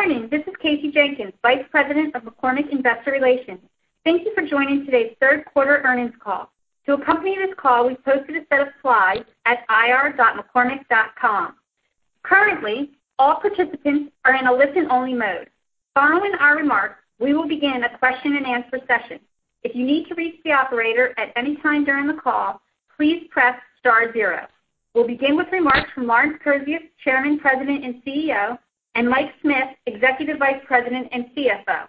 Good morning. This is Kasey Jenkins, Vice President of McCormick Investor Relations. Thank you for joining today's third quarter earnings call. To accompany this call, we've posted a set of slides at ir.mccormick.com. Currently, all participants are in a listen-only mode. Following our remarks, we will begin a question and answer session. If you need to reach the operator at any time during the call, please press star zero. We'll begin with remarks from Lawrence Kurzius, Chairman, President, and CEO, and Mike Smith, Executive Vice President and CFO.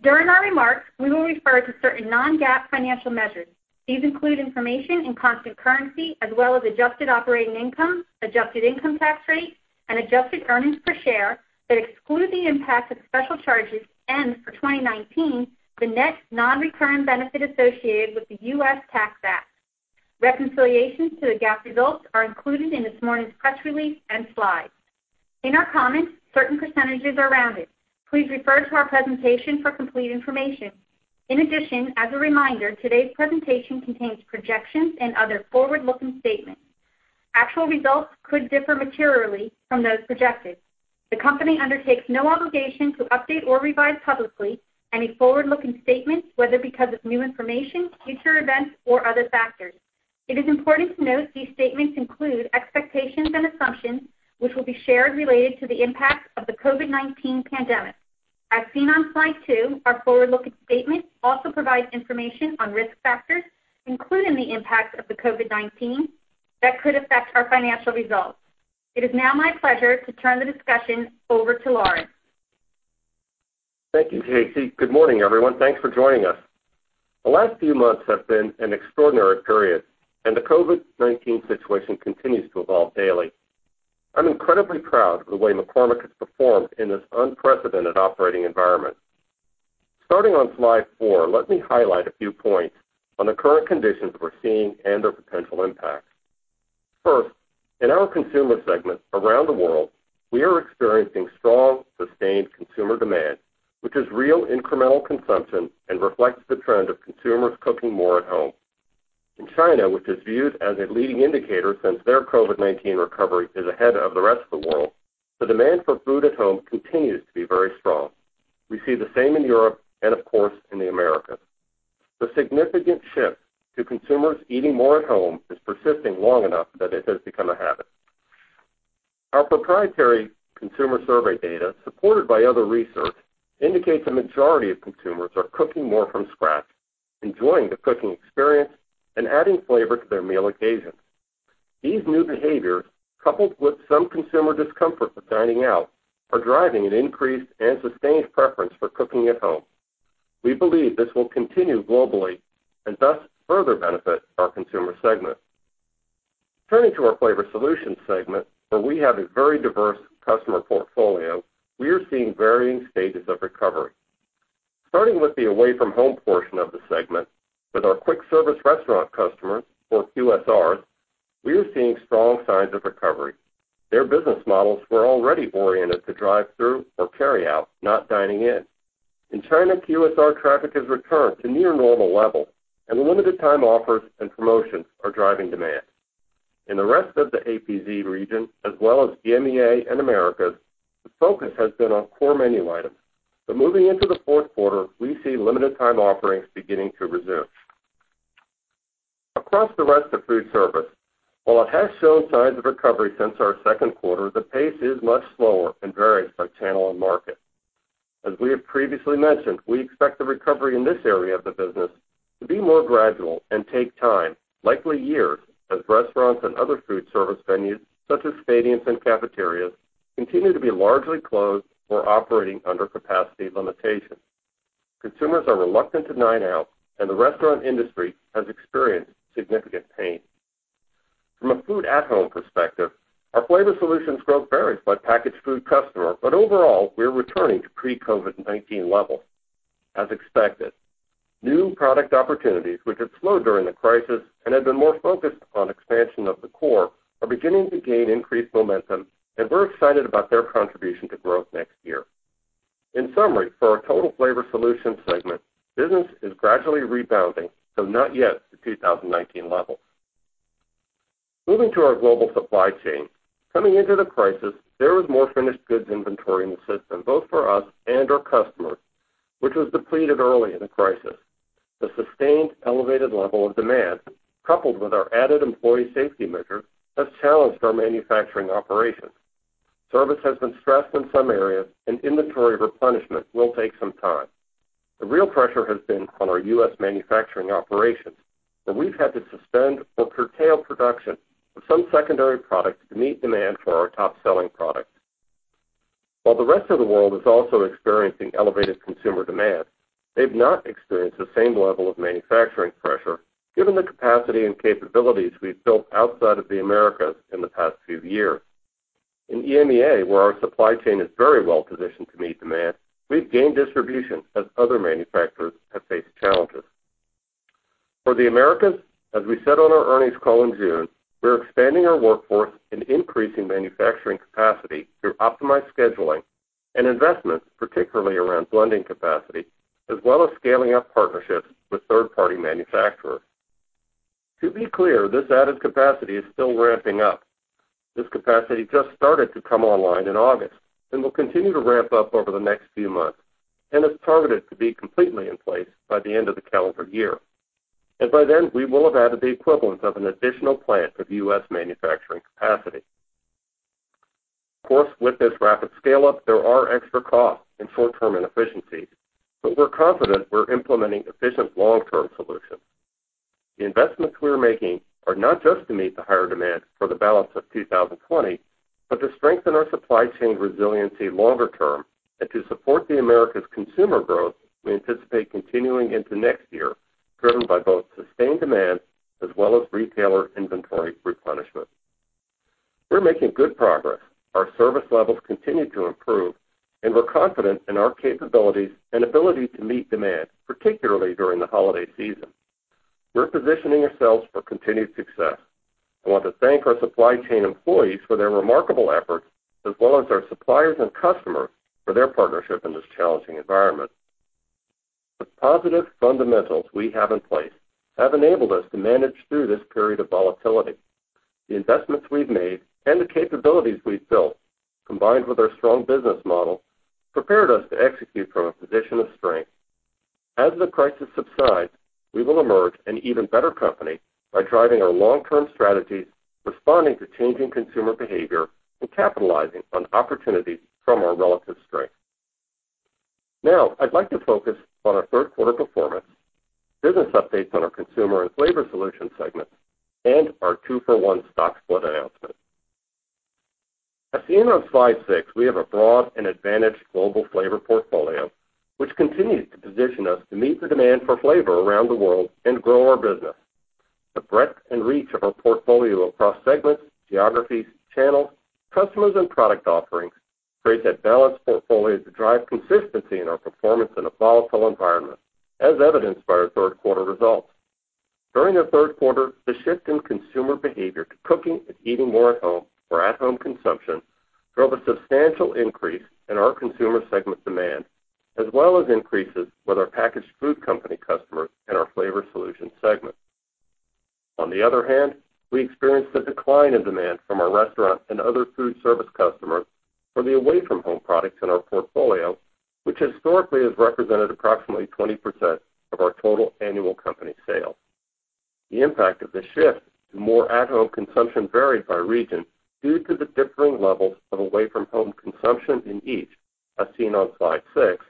During our remarks, we will refer to certain non-GAAP financial measures. These include information in constant currency as well as adjusted operating income, adjusted income tax rate, and adjusted earnings per share that exclude the impact of special charges and, for 2019, the net non-recurring benefit associated with the U.S. Tax Act. Reconciliations to the GAAP results are included in this morning's press release and slides. In our comments, certain percentages are rounded. Please refer to our presentation for complete information. In addition, as a reminder, today's presentation contains projections and other forward-looking statements. Actual results could differ materially from those projected. The company undertakes no obligation to update or revise publicly any forward-looking statements, whether because of new information, future events, or other factors. It is important to note these statements include expectations and assumptions which will be shared related to the impact of the COVID-19 pandemic. As seen on slide two, our forward-looking statements also provide information on risk factors, including the impact of the COVID-19, that could affect our financial results. It is now my pleasure to turn the discussion over to Lawrence. Thank you, Kasey. Good morning, everyone. Thanks for joining us. The last few months have been an extraordinary period, and the COVID-19 situation continues to evolve daily. I'm incredibly proud of the way McCormick has performed in this unprecedented operating environment. Starting on slide four, let me highlight a few points on the current conditions we're seeing and their potential impacts. First, in our Consumer segment around the world, we are experiencing strong, sustained consumer demand, which is real incremental consumption and reflects the trend of consumers cooking more at home. In China, which is viewed as a leading indicator since their COVID-19 recovery is ahead of the rest of the world, the demand for food at home continues to be very strong. We see the same in Europe and, of course, in the Americas. The significant shift to consumers eating more at home is persisting long enough that it has become a habit. Our proprietary consumer survey data, supported by other research, indicates the majority of consumers are cooking more from scratch, enjoying the cooking experience, and adding flavor to their meal occasions. These new behaviors, coupled with some consumer discomfort with dining out, are driving an increased and sustained preference for cooking at home. We believe this will continue globally and thus further benefit our Consumer segment. Turning to our Flavor Solutions segment, where we have a very diverse customer portfolio, we are seeing varying stages of recovery. Starting with the away-from-home portion of the segment, with our quick service restaurant customers, or QSRs, we are seeing strong signs of recovery. Their business models were already oriented to drive-through or carryout, not dining in. In China, QSR traffic has returned to near normal levels, and limited time offers and promotions are driving demand. In the rest of the APZ region, as well as EMEA and Americas, the focus has been on core menu items. Moving into the fourth quarter, we see limited time offerings beginning to resume. Across the rest of food service, while it has shown signs of recovery since our second quarter, the pace is much slower and varies by channel and market. As we have previously mentioned, we expect the recovery in this area of the business to be more gradual and take time, likely years, as restaurants and other food service venues, such as stadiums and cafeterias, continue to be largely closed or operating under capacity limitations. Consumers are reluctant to dine out, and the restaurant industry has experienced significant pain. From a food at home perspective, our flavor solutions growth varies by packaged food customer, but overall, we're returning to pre-COVID-19 levels. As expected, new product opportunities, which have slowed during the crisis and have been more focused on expansion of the core, are beginning to gain increased momentum, and we're excited about their contribution to growth next year. In summary, for our total Flavor Solution segment, business is gradually rebounding, though not yet to 2019 levels. Moving to our global supply chain. Coming into the crisis, there was more finished goods inventory in the system, both for us and our customers, which was depleted early in the crisis. The sustained elevated level of demand, coupled with our added employee safety measures, has challenged our manufacturing operations. Service has been stressed in some areas, and inventory replenishment will take some time. The real pressure has been on our U.S. manufacturing operations, and we've had to suspend or curtail production of some secondary products to meet demand for our top-selling products. While the rest of the world is also experiencing elevated consumer demand, they've not experienced the same level of manufacturing pressure, given the capacity and capabilities we've built outside of the Americas in the past few years. In EMEA, where our supply chain is very well positioned to meet demand, we've gained distribution as other manufacturers have faced challenges. For the Americas, as we said on our earnings call in June, we're expanding our workforce and increasing manufacturing capacity through optimized scheduling and investments, particularly around blending capacity, as well as scaling up partnerships with third-party manufacturers. To be clear, this added capacity is still ramping up. This capacity just started to come online in August and will continue to ramp up over the next few months, and is targeted to be completely in place by the end of the calendar year. By then, we will have added the equivalent of an additional plant of U.S. manufacturing capacity. Of course, with this rapid scale-up, there are extra costs and short-term inefficiencies, but we're confident we're implementing efficient long-term solutions. The investments we're making are not just to meet the higher demand for the balance of 2020, but to strengthen our supply chain resiliency longer term and to support the Americas consumer growth we anticipate continuing into next year, driven by both sustained demand as well as retailer inventory replenishment. We're making good progress. Our service levels continue to improve, and we're confident in our capabilities and ability to meet demand, particularly during the holiday season. We're positioning ourselves for continued success. I want to thank our supply chain employees for their remarkable efforts, as well as our suppliers and customers for their partnership in this challenging environment. The positive fundamentals we have in place have enabled us to manage through this period of volatility. The investments we've made and the capabilities we've built, combined with our strong business model, prepared us to execute from a position of strength. As the crisis subsides, we will emerge an even better company by driving our long-term strategies, responding to changing consumer behavior, and capitalizing on opportunities from our relative strength. Now, I'd like to focus on our third quarter performance, business updates on our Consumer and Flavor Solutions segments, and our two-for-one stock split announcement. As seen on slide six, we have a broad and advantaged global flavor portfolio, which continues to position us to meet the demand for flavor around the world and grow our business. The breadth and reach of our portfolio across segments, geographies, channels, customers, and product offerings create that balanced portfolio to drive consistency in our performance in a volatile environment, as evidenced by our third quarter results. During the third quarter, the shift in consumer behavior to cooking and eating more at home for at home consumption drove a substantial increase in our Consumer segment demand, as well as increases with our packaged food company customers and our Flavor Solutions segment. On the other hand, we experienced a decline in demand from our restaurant and other food service customers for the away-from-home products in our portfolio, which historically has represented approximately 20% of our total annual company sales. The impact of this shift to more at-home consumption varied by region due to the differing levels of away-from-home consumption in each, as seen on slide six,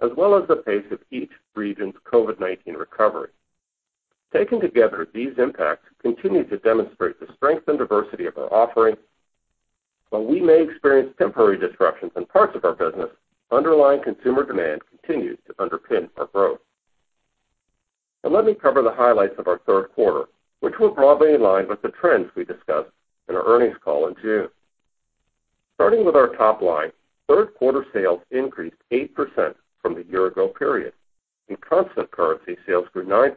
as well as the pace of each region's COVID-19 recovery. Taken together, these impacts continue to demonstrate the strength and diversity of our offerings. While we may experience temporary disruptions in parts of our business, underlying consumer demand continues to underpin our growth. Let me cover the highlights of our third quarter, which were broadly in line with the trends we discussed in our earnings call in June. Starting with our top line, third quarter sales increased 8% from the year-ago period. In constant currency, sales grew 9%,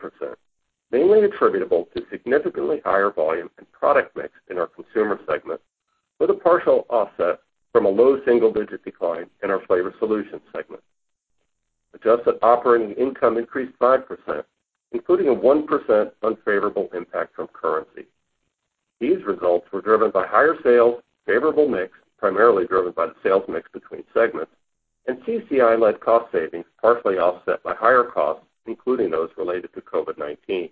mainly attributable to significantly higher volume and product mix in our Consumer segment, with a partial offset from a low single-digit decline in our Flavor Solutions segment. Adjusted operating income increased 5%, including a 1% unfavorable impact from currency. These results were driven by higher sales, favorable mix, primarily driven by the sales mix between segments, and CCI-led cost savings, partially offset by higher costs, including those related to COVID-19.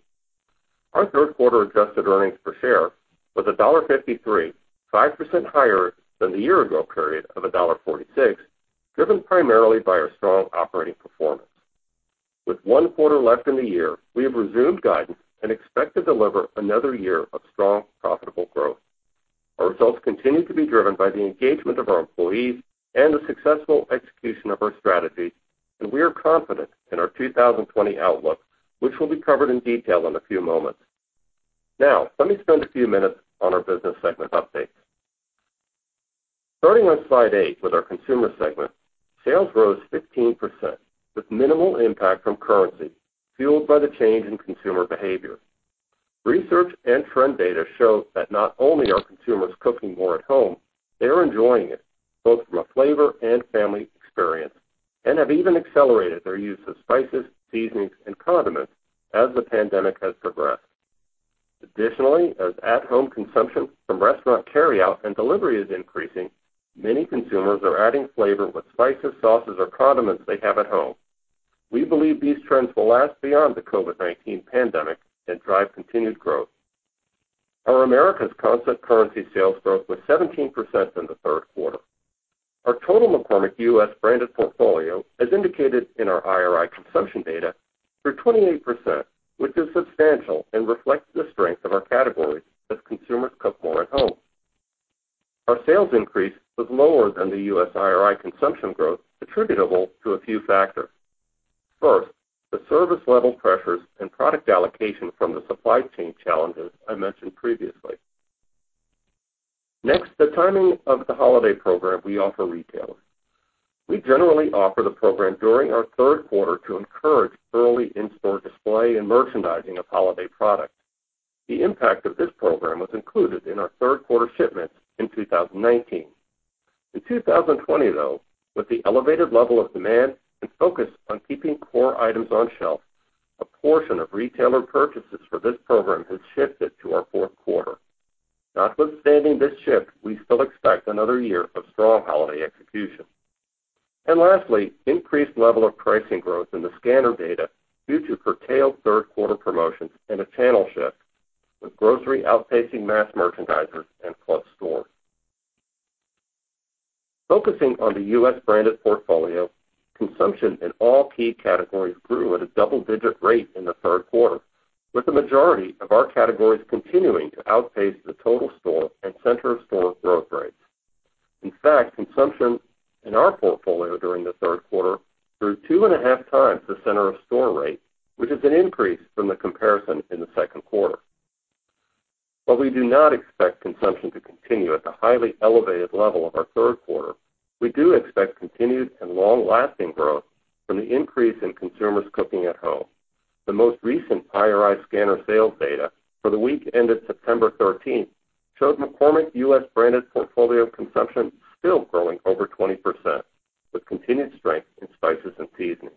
Our third quarter adjusted earnings per share was $1.53, 5% higher than the year-ago period of $1.46, driven primarily by our strong operating performance. With one quarter left in the year, we have resumed guidance and expect to deliver another year of strong, profitable growth. Our results continue to be driven by the engagement of our employees and the successful execution of our strategy. We are confident in our 2020 outlook, which will be covered in detail in a few moments. Let me spend a few minutes on our business segment updates. Starting on slide eight with our Consumer segment, sales rose 15%, with minimal impact from currency, fueled by the change in consumer behavior. Research and trend data show that not only are consumers cooking more at home, they are enjoying it, both from a flavor and family experience, and have even accelerated their use of spices, seasonings, and condiments as the pandemic has progressed. Additionally, as at-home consumption from restaurant carryout and delivery is increasing, many consumers are adding flavor with spices, sauces, or condiments they have at home. We believe these trends will last beyond the COVID-19 pandemic and drive continued growth. Our America's constant currency sales growth was 17% in the third quarter. Our total McCormick U.S. branded portfolio, as indicated in our IRI consumption data, grew 28%, which is substantial and reflects the strength of our categories as consumers cook more at home. Our sales increase was lower than the U.S. IRI consumption growth attributable to a few factors. First, the service level pressures and product allocation from the supply chain challenges I mentioned previously. Next, the timing of the holiday program we offer retailers. We generally offer the program during our third quarter to encourage early in-store display and merchandising of holiday products. The impact of this program was included in our third quarter shipments in 2019. In 2020, though, with the elevated level of demand and focus on keeping core items on shelf, a portion of retailer purchases for this program has shifted to our fourth quarter. Notwithstanding this shift, we still expect another year of strong holiday execution. Lastly, increased level of pricing growth in the scanner data due to curtailed third quarter promotions and a channel shift with grocery outpacing mass merchandisers and club stores. Focusing on the U.S. branded portfolio, consumption in all key categories grew at a double-digit rate in the third quarter, with the majority of our categories continuing to outpace the total store and center-of-store growth rates. In fact, consumption in our portfolio during the third quarter grew two and a half times the center-of-store rate, which is an increase from the comparison in the second quarter. While we do not expect consumption to continue at the highly elevated level of our third quarter, we do expect continued and long-lasting growth from the increase in consumers cooking at home. The most recent IRI scanner sales data for the week ended September 13th showed McCormick U.S. branded portfolio consumption still growing over 20%, with continued strength in spices and seasonings.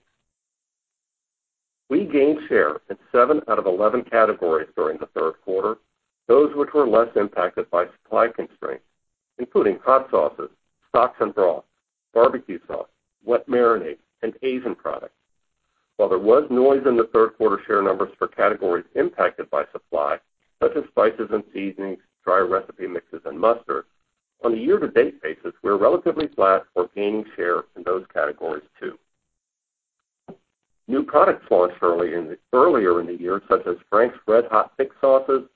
We gained share in seven out of 11 categories during the third quarter, those which were less impacted by supply constraints, including hot sauces, stocks and broths, barbecue sauce, wet marinades, and Asian products. While there was noise in the third quarter share numbers for categories impacted by supply, such as spices and seasonings, dry recipe mixes, and mustard, on a year-to-date basis, we're relatively flat or gaining share in those categories, too. New products launched earlier in the year, such as Frank's RedHot thick sauces,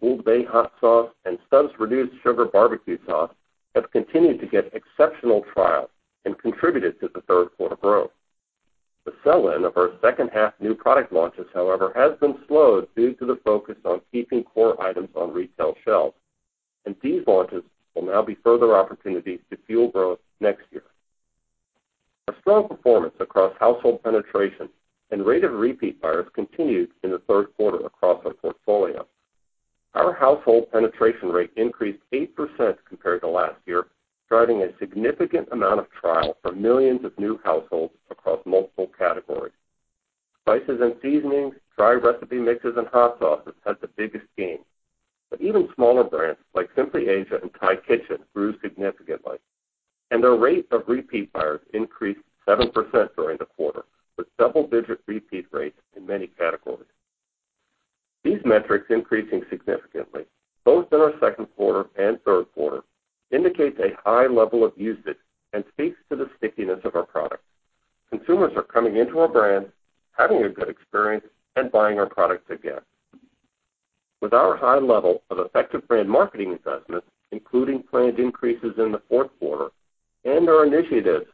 OLD BAY hot sauce, and Stubb's Reduced Sugar barbecue sauce, have continued to get exceptional trial and contributed to the third quarter growth. The sell-in of our second half new product launches, however, has been slowed due to the focus on keeping core items on retail shelves, and these launches will now be further opportunities to fuel growth next year. Our strong performance across household penetration and rate of repeat buyers continued in the third quarter across our portfolio. Our household penetration rate increased 8% compared to last year, driving a significant amount of trial for millions of new households across multiple categories. Spices and seasonings, dry recipe mixes, and hot sauces had the biggest gain. Even smaller brands like Simply Asia and Thai Kitchen grew significantly, and their rate of repeat buyers increased 7% during the quarter, with double-digit repeat rates in many categories. These metrics increasing significantly, both in our second quarter and third quarter, indicates a high level of usage and speaks to the stickiness of our products. Consumers are coming into our brands, having a good experience, and buying our products again. With our high level of effective brand marketing investments, including planned increases in the fourth quarter, and our initiatives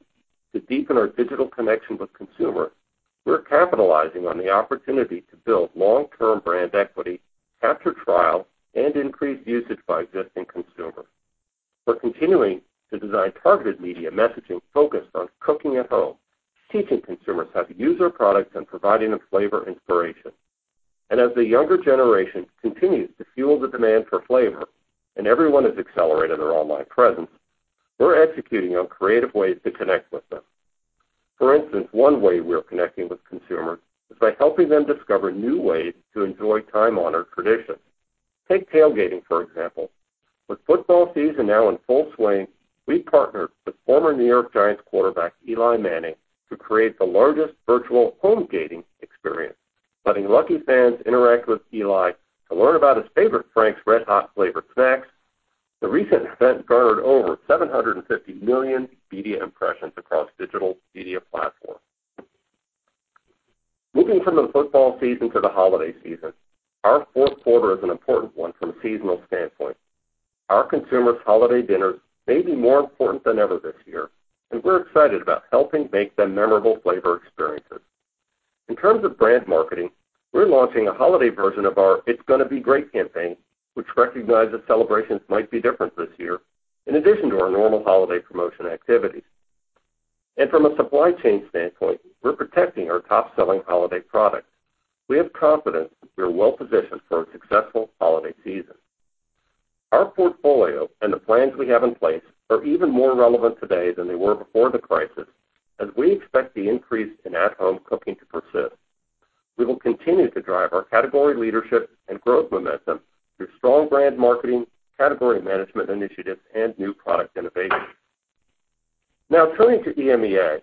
to deepen our digital connection with consumers, we're capitalizing on the opportunity to build long-term brand equity, capture trial, and increase usage by existing consumers. We're continuing to design targeted media messaging focused on cooking at home, teaching consumers how to use our products, and providing them flavor inspiration. As the younger generation continues to fuel the demand for flavor and everyone has accelerated their online presence, we're executing on creative ways to connect with them. For instance, one way we're connecting with consumers is by helping them discover new ways to enjoy time-honored traditions. Take tailgating, for example. With football season now in full swing, we partnered with former New York Giants quarterback Eli Manning to create the largest virtual homegating experience, letting lucky fans interact with Eli to learn about his favorite Frank's RedHot flavored snacks. The recent event garnered over 750 million media impressions across digital media platforms. Moving from the football season to the holiday season, our fourth quarter is an important one from a seasonal standpoint. Our consumers' holiday dinners may be more important than ever this year, and we're excited about helping make them memorable flavor experiences. In terms of brand marketing, we're launching a holiday version of our It's Gonna Be Great campaign, which recognizes celebrations might be different this year, in addition to our normal holiday promotion activities. From a supply chain standpoint, we're protecting our top-selling holiday products. We have confidence that we are well positioned for a successful holiday season. Our portfolio and the plans we have in place are even more relevant today than they were before the crisis, as we expect the increase in at-home cooking to persist. We will continue to drive our category leadership and growth momentum through strong brand marketing, category management initiatives, and new product innovations. Now turning to EMEA.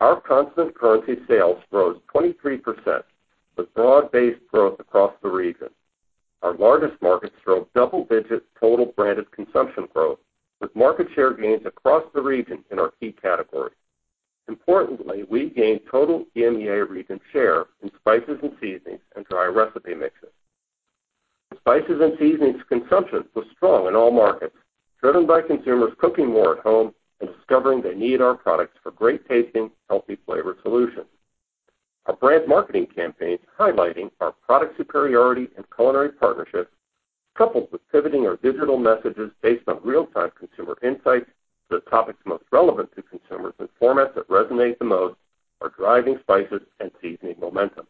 Our constant currency sales rose 23%, with broad-based growth across the region. Our largest markets drove double-digit total branded consumption growth, with market share gains across the region in our key categories. Importantly, we gained total EMEA region share in spices and seasonings and dry recipe mixes. Spices and seasonings consumption was strong in all markets, driven by consumers cooking more at home and discovering they need our products for great-tasting, healthy flavor solutions. Our brand marketing campaigns highlighting our product superiority and culinary partnerships, coupled with pivoting our digital messages based on real-time consumer insights to the topics most relevant to consumers in formats that resonate the most, are driving spices and seasoning momentum.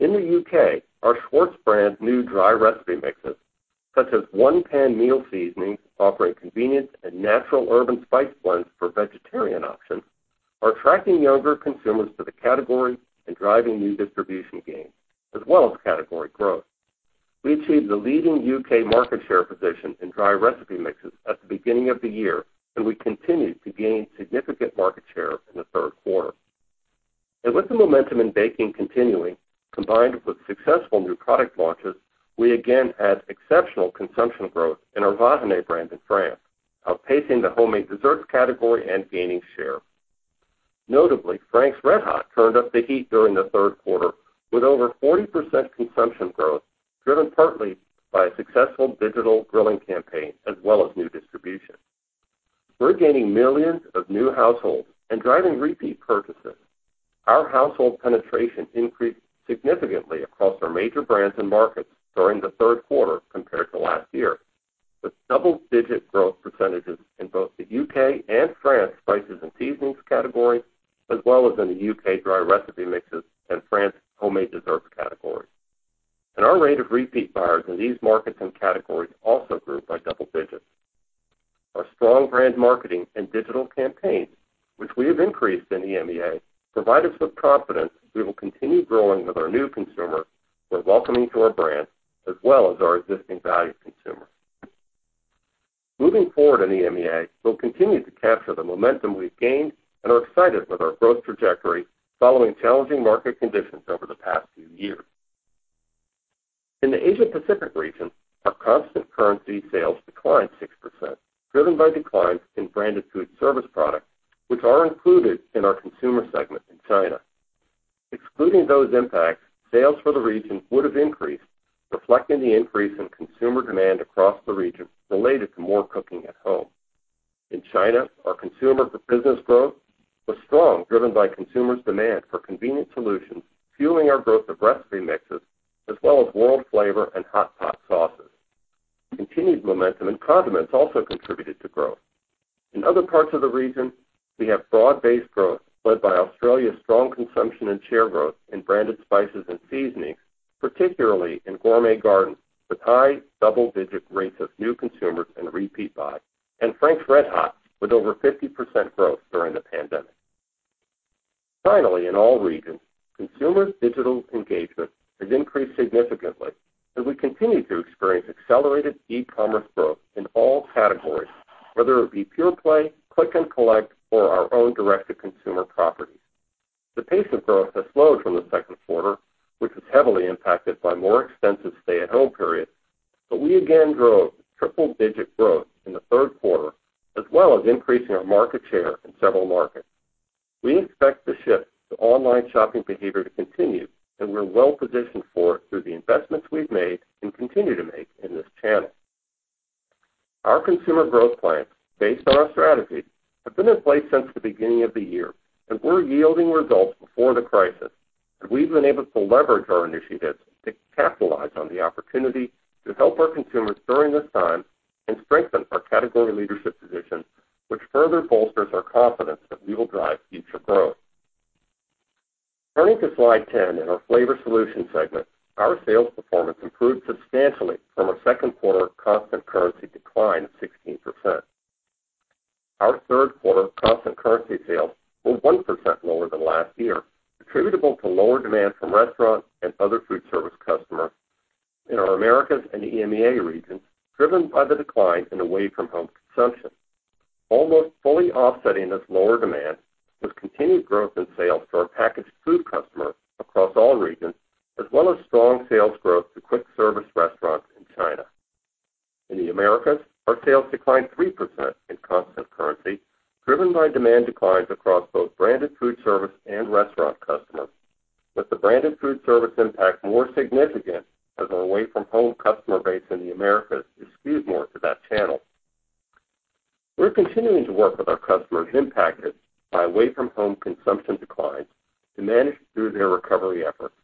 In the U.K., our Schwartz brand new dry recipe mixes, such as one pan meal seasoning, offering convenience and natural herb and spice blends for vegetarian options, are attracting younger consumers to the category and driving new distribution gains, as well as category growth. We achieved the leading U.K. market share position in dry recipe mixes at the beginning of the year, and we continued to gain significant market share in the third quarter. With the momentum in baking continuing, combined with successful new product launches, we again had exceptional consumption growth in our Vahiné brand in France, outpacing the homemade desserts category and gaining share. Notably, Frank's RedHot turned up the heat during the third quarter with over 40% consumption growth, driven partly by a successful digital grilling campaign as well as new distribution. We're gaining millions of new households and driving repeat purchases. Our household penetration increased significantly across our major brands and markets during the third quarter compared to last year, with double-digit growth percentages in both the U.K. and France spices and seasonings category, as well as in the U.K. dry recipe mixes and France homemade desserts category. Our rate of repeat buyers in these markets and categories also grew by double digits. Our strong brand marketing and digital campaigns, which we have increased in EMEA, provide us with confidence we will continue growing with our new consumer we're welcoming to our brand, as well as our existing value consumer. Moving forward in EMEA, we'll continue to capture the momentum we've gained and are excited with our growth trajectory following challenging market conditions over the past few years. In the Asia Pacific region, our constant currency sales declined 6%, driven by declines in branded food service products, which are included in our Consumer segment in China. Excluding those impacts, sales for the region would have increased, reflecting the increase in consumer demand across the region related to more cooking at home. In China, our consumer to business growth was strong, driven by consumers' demand for convenient solutions, fueling our growth of recipe mixes as well as world flavor and hot pot sauces. Continued momentum in condiments also contributed to growth. In other parts of the region, we have broad-based growth led by Australia's strong consumption and share growth in branded spices and seasonings, particularly in Gourmet Garden, with high double-digit rates of new consumers and repeat buys, and Frank's RedHot, with over 50% growth during the pandemic. Finally, in all regions, consumer digital engagement has increased significantly as we continue to experience accelerated e-commerce growth in all categories, whether it be pure play, click and collect, or our own direct-to-consumer properties. The pace of growth has slowed from the second quarter, which was heavily impacted by more extensive stay-at-home periods, but we again drove triple-digit growth in the third quarter, as well as increasing our market share in several markets. We expect the shift to online shopping behavior to continue, and we're well positioned for it through the investments we've made and continue to make in this channel. Our consumer growth plans, based on our strategy, have been in place since the beginning of the year, and were yielding results before the crisis, and we've been able to leverage our initiatives to capitalize on the opportunity to help our consumers during this time and strengthen our category leadership position, which further bolsters our confidence that we will drive future growth. Turning to slide 10 in our Flavor Solution segment, our sales performance improved substantially from a second quarter constant currency decline of 16%. Our third quarter constant currency sales were 1% lower than last year, attributable to lower demand from restaurant and other food service customer in our Americas and EMEA region, driven by the decline in away from home consumption. Almost fully offsetting this lower demand was continued growth in sales to our packaged food customer across all regions, as well as strong sales growth to quick service restaurants in China. In the Americas, our sales declined 3% in constant currency, driven by demand declines across both branded food service and restaurant customers. With the branded food service impact more significant as our away from home customer base in the Americas is skewed more to that channel. We're continuing to work with our customers impacted by away from home consumption declines to manage through their recovery efforts.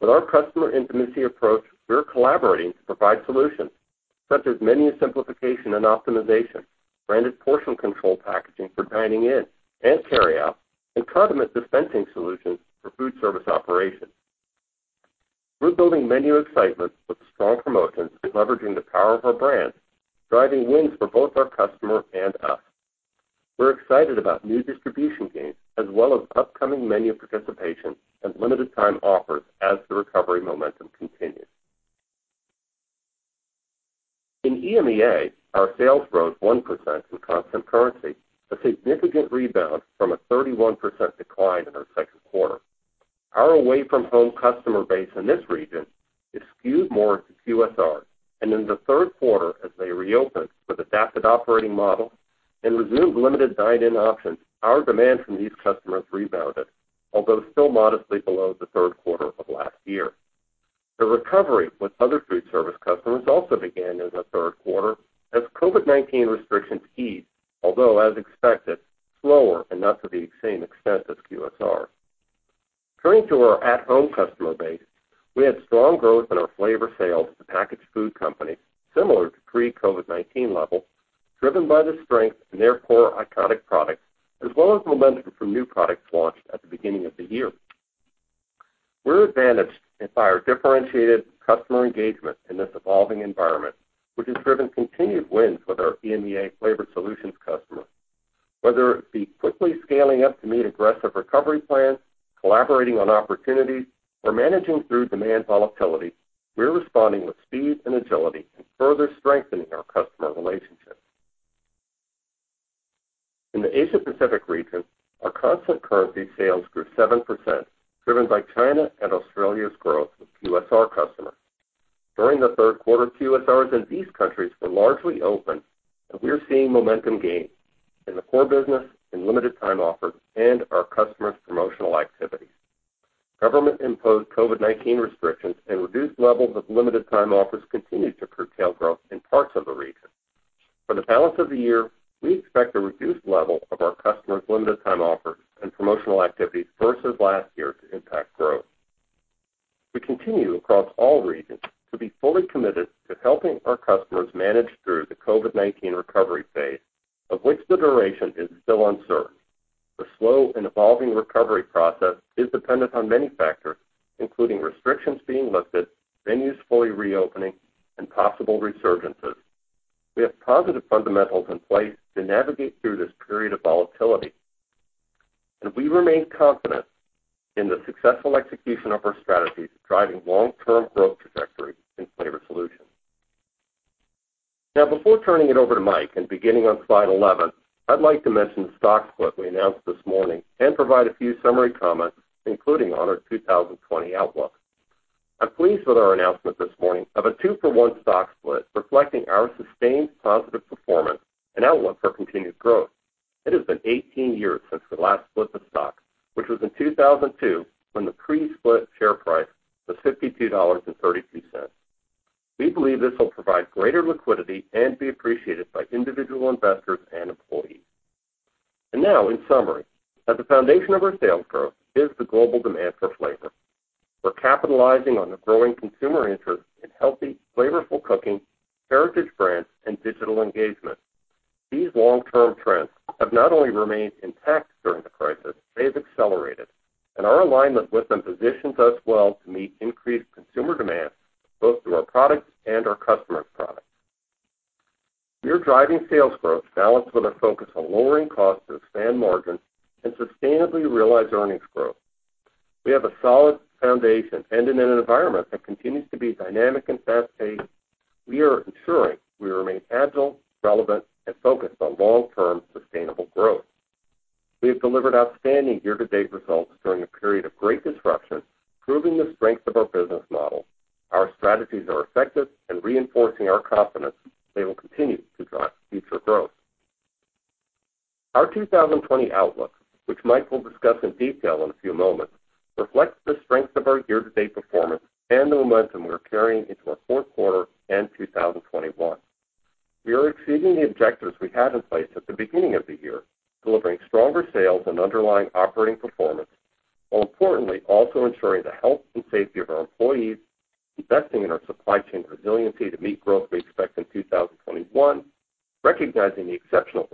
With our customer intimacy approach, we're collaborating to provide solutions such as menu simplification and optimization, branded portion control packaging for dining in and carry out, and condiment dispensing solutions for food service operations. We're building menu excitement with strong promotions and leveraging the power of our brands, driving wins for both our customer and us. We're excited about new distribution gains, as well as upcoming menu participation and limited time offers as the recovery momentum continues. In EMEA, our sales rose 1% in constant currency, a significant rebound from a 31% decline in our second quarter. Our away from home customer base in this region is skewed more to QSR, and in the third quarter as they reopened with adapted operating models and resumed limited dine-in options, our demand from these customers rebounded, although still modestly below the third quarter of last year. The recovery with other food service customers also began in the third quarter as COVID-19 restrictions eased, although, as expected, slower and not to the same extent as QSR. Turning to our at-home customer base, we had strong growth in our flavor sales to packaged food companies similar to pre-COVID-19 levels. Driven by the strength in their core iconic products, as well as momentum from new products launched at the beginning of the year. We're advantaged by our differentiated customer engagement in this evolving environment, which has driven continued wins with our EMEA Flavor Solutions customer. Whether it be quickly scaling up to meet aggressive recovery plans, collaborating on opportunities, or managing through demand volatility, we're responding with speed and agility and further strengthening our customer relationships. In the Asia Pacific region, our constant currency sales grew 7%, driven by China and Australia's growth with QSR customers. During the third quarter, QSRs in these countries were largely open, We are seeing momentum gains in the core business, in limited time offers, and our customers' promotional activities. Government-imposed COVID-19 restrictions and reduced levels of limited time offers continued to curtail growth in parts of the region. For the balance of the year, we expect a reduced level of our customers' limited time offers and promotional activities versus last year to impact growth. We continue, across all regions, to be fully committed to helping our customers manage through the COVID-19 recovery phase, of which the duration is still uncertain. The slow and evolving recovery process is dependent on many factors, including restrictions being lifted, venues fully reopening, and possible resurgences. We have positive fundamentals in place to navigate through this period of volatility, and we remain confident in the successful execution of our strategies driving long-term growth trajectory in Flavor Solutions. Now, before turning it over to Mike and beginning on slide 11, I'd like to mention the stock split we announced this morning and provide a few summary comments, including on our 2020 outlook. I'm pleased with our announcement this morning of a two-for-one stock split, reflecting our sustained positive performance and outlook for continued growth. It has been 18 years since the last split of stock, which was in 2002, when the pre-split share price was $52.33. We believe this will provide greater liquidity and be appreciated by individual investors and employees. Now, in summary, at the foundation of our sales growth is the global demand for flavor. We're capitalizing on the growing consumer interest in healthy, flavorful cooking, heritage brands, and digital engagement. These long-term trends have not only remained intact during the crisis, they have accelerated, and our alignment with them positions us well to meet increased consumer demand, both through our products and our customers' products. We are driving sales growth balanced with a focus on lowering costs to expand margin and sustainably realize earnings growth. We have a solid foundation, and in an environment that continues to be dynamic and fast-paced, we are ensuring we remain agile, relevant, and focused on long-term sustainable growth. We have delivered outstanding year-to-date results during a period of great disruption, proving the strength of our business model. Our strategies are effective and reinforcing our confidence they will continue to drive future growth. Our 2020 outlook, which Mike will discuss in detail in a few moments, reflects the strength of our year-to-date performance and the momentum we're carrying into our fourth quarter and 2021. We are exceeding the objectives we had in place at the beginning of the year, delivering stronger sales and underlying operating performance, while importantly, also ensuring the health and safety of our employees, investing in our supply chain resiliency to meet growth we expect in 2021, recognizing the exceptional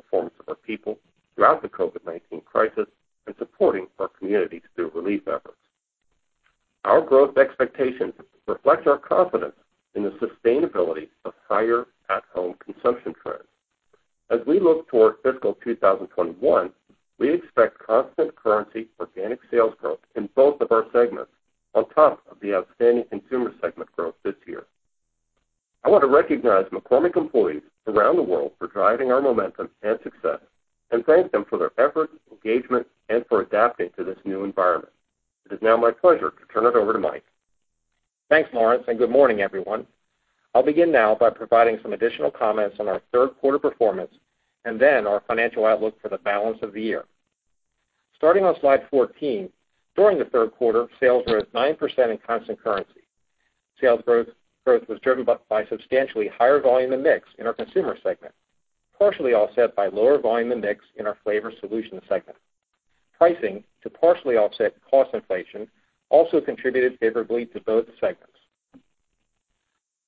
performance of our people throughout the COVID-19 crisis, and supporting our communities through relief efforts. Our growth expectations reflect our confidence in the sustainability of higher at-home consumption trends. As we look toward fiscal 2021, we expect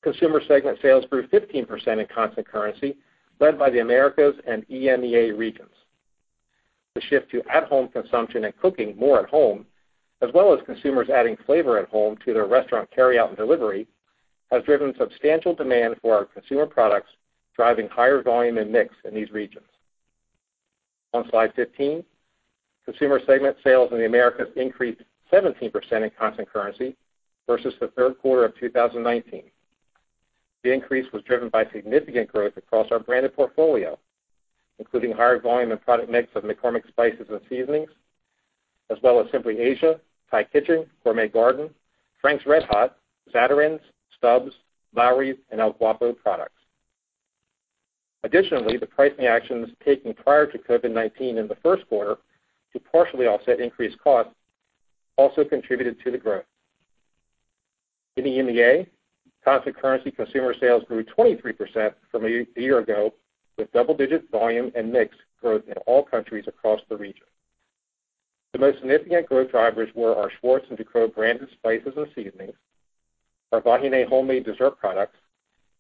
Consumer segment sales grew 15% in constant currency, led by the Americas and EMEA regions. The shift to at-home consumption and cooking more at home, as well as consumers adding flavor at home to their restaurant carryout and delivery, has driven substantial demand for our consumer products, driving higher volume and mix in these regions. On slide 15, Consumer segment sales in the Americas increased 17% in constant currency versus the third quarter of 2019. The increase was driven by significant growth across our branded portfolio, including higher volume and product mix of McCormick spices and seasonings, as well as Simply Asia, Thai Kitchen, Gourmet Garden, Frank's RedHot, Zatarain's, Stubb's, Lawry's, and El Guapo products. Additionally, the pricing actions taken prior to COVID-19 in the first quarter to partially offset increased costs also contributed to the growth. In EMEA, constant currency consumer sales grew 23% from a year ago, with double-digit volume and mix growth in all countries across the region. The most significant growth drivers were our Schwartz and Ducros branded spices and seasonings, our Vahiné homemade dessert products,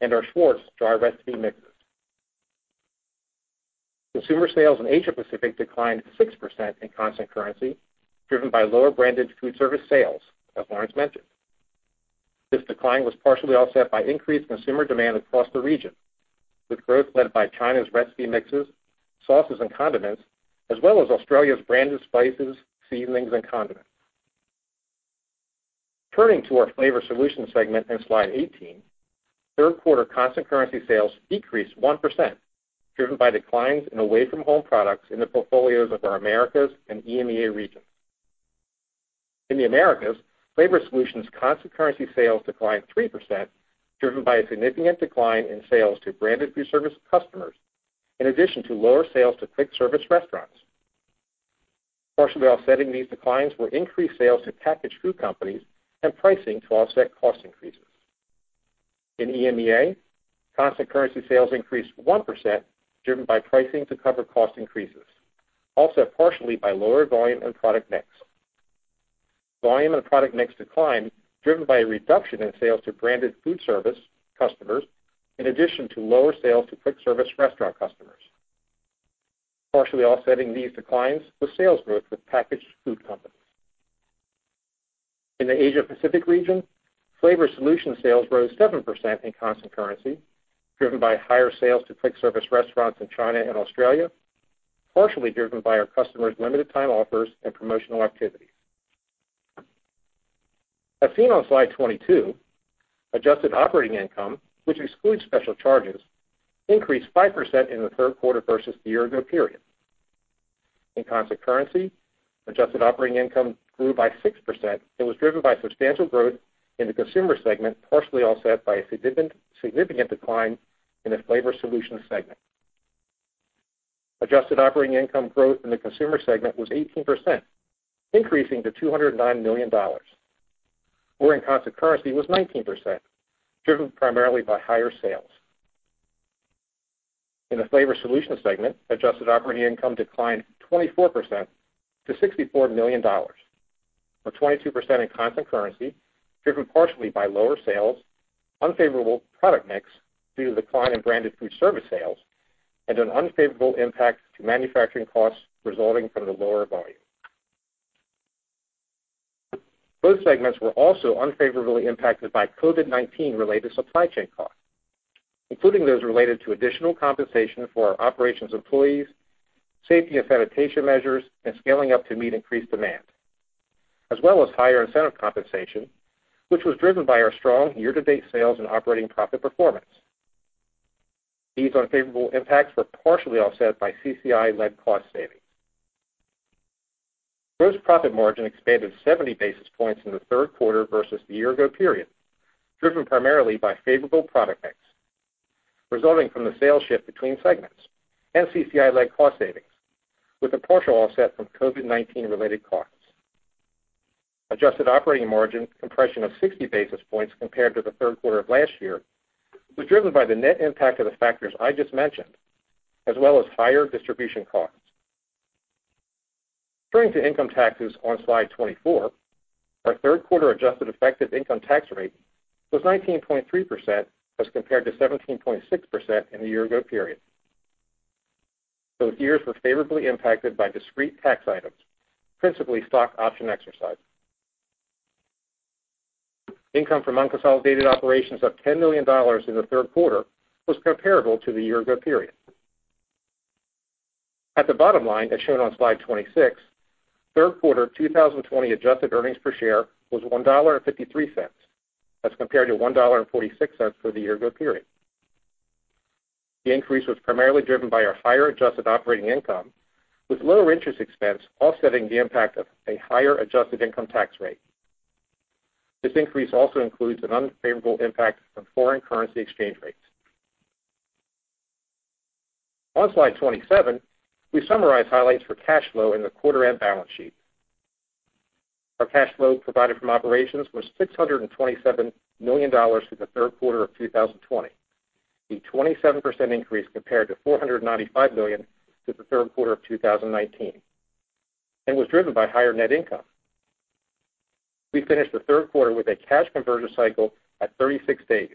and our Schwartz dry recipe mixes. Consumer sales in Asia Pacific declined 6% in constant currency, driven by lower branded food service sales, as Lawrence mentioned. This decline was partially offset by increased consumer demand across the region, with growth led by China's recipe mixes, sauces, and condiments, as well as Australia's branded spices, seasonings, and condiments. Turning to our Flavor Solutions segment in slide 18, third quarter constant currency sales decreased 1%, driven by declines in away from home products in the portfolios of our Americas and EMEA regions. In the Americas, Flavor Solutions constant currency sales declined 3%, driven by a significant decline in sales to branded food service customers, in addition to lower sales to quick service restaurants. Partially offsetting these declines were increased sales to packaged food companies and pricing to offset cost increases. In EMEA, constant currency sales increased 1%, driven by pricing to cover cost increases, also partially by lower volume and product mix. Volume and product mix declined, driven by a reduction in sales to branded food service customers, in addition to lower sales to quick service restaurant customers. Partially offsetting these declines was sales growth with packaged food companies. In the Asia Pacific region, flavor solution sales rose 7% in constant currency, driven by higher sales to quick service restaurants in China and Australia, partially driven by our customers' limited time offers and promotional activities. As seen on slide 22, adjusted operating income, which excludes special charges, increased 5% in the third quarter versus the year-ago period. In constant currency, adjusted operating income grew by 6% and was driven by substantial growth in the Consumer segment, partially offset by a significant decline in the Flavor Solutions segment. Adjusted operating income growth in the Consumer segment was 18%, increasing to $209 million, or in constant currency was 19%, driven primarily by higher sales. In the Flavor Solutions segment, adjusted operating income declined 24% to $64 million, or 22% in constant currency, driven partially by lower sales, unfavorable product mix due to the decline in branded food service sales, and an unfavorable impact to manufacturing costs resulting from the lower volume. Both segments were also unfavorably impacted by COVID-19 related supply chain costs, including those related to additional compensation for our operations employees, safety and sanitation measures, and scaling up to meet increased demand, as well as higher incentive compensation, which was driven by our strong year-to-date sales and operating profit performance. These unfavorable impacts were partially offset by CCI-led cost savings. Gross profit margin expanded 70 basis points in the third quarter versus the year-ago period, driven primarily by favorable product mix resulting from the sales shift between segments and CCI-led cost savings, with a partial offset from COVID-19 related costs. Adjusted operating margin compression of 60 basis points compared to the third quarter of last year was driven by the net impact of the factors I just mentioned, as well as higher distribution costs. Turning to income taxes on slide 24, our third quarter adjusted effective income tax rate was 19.3% as compared to 17.6% in the year-ago period. Both years were favorably impacted by discrete tax items, principally stock option exercise. Income from unconsolidated operations of $10 million in the third quarter was comparable to the year-ago period. At the bottom line, as shown on slide 26, third quarter 2020 adjusted earnings per share was $1.53. That's compared to $1.46 for the year-ago period. The increase was primarily driven by our higher adjusted operating income, with lower interest expense offsetting the impact of a higher adjusted income tax rate. This increase also includes an unfavorable impact from foreign currency exchange rates. On slide 27, we summarize highlights for cash flow and the quarter-end balance sheet. Our cash flow provided from operations was $627 million through the third quarter of 2020, a 27% increase compared to $495 million through the third quarter of 2019, and was driven by higher net income. We finished the third quarter with a cash conversion cycle at 36 days,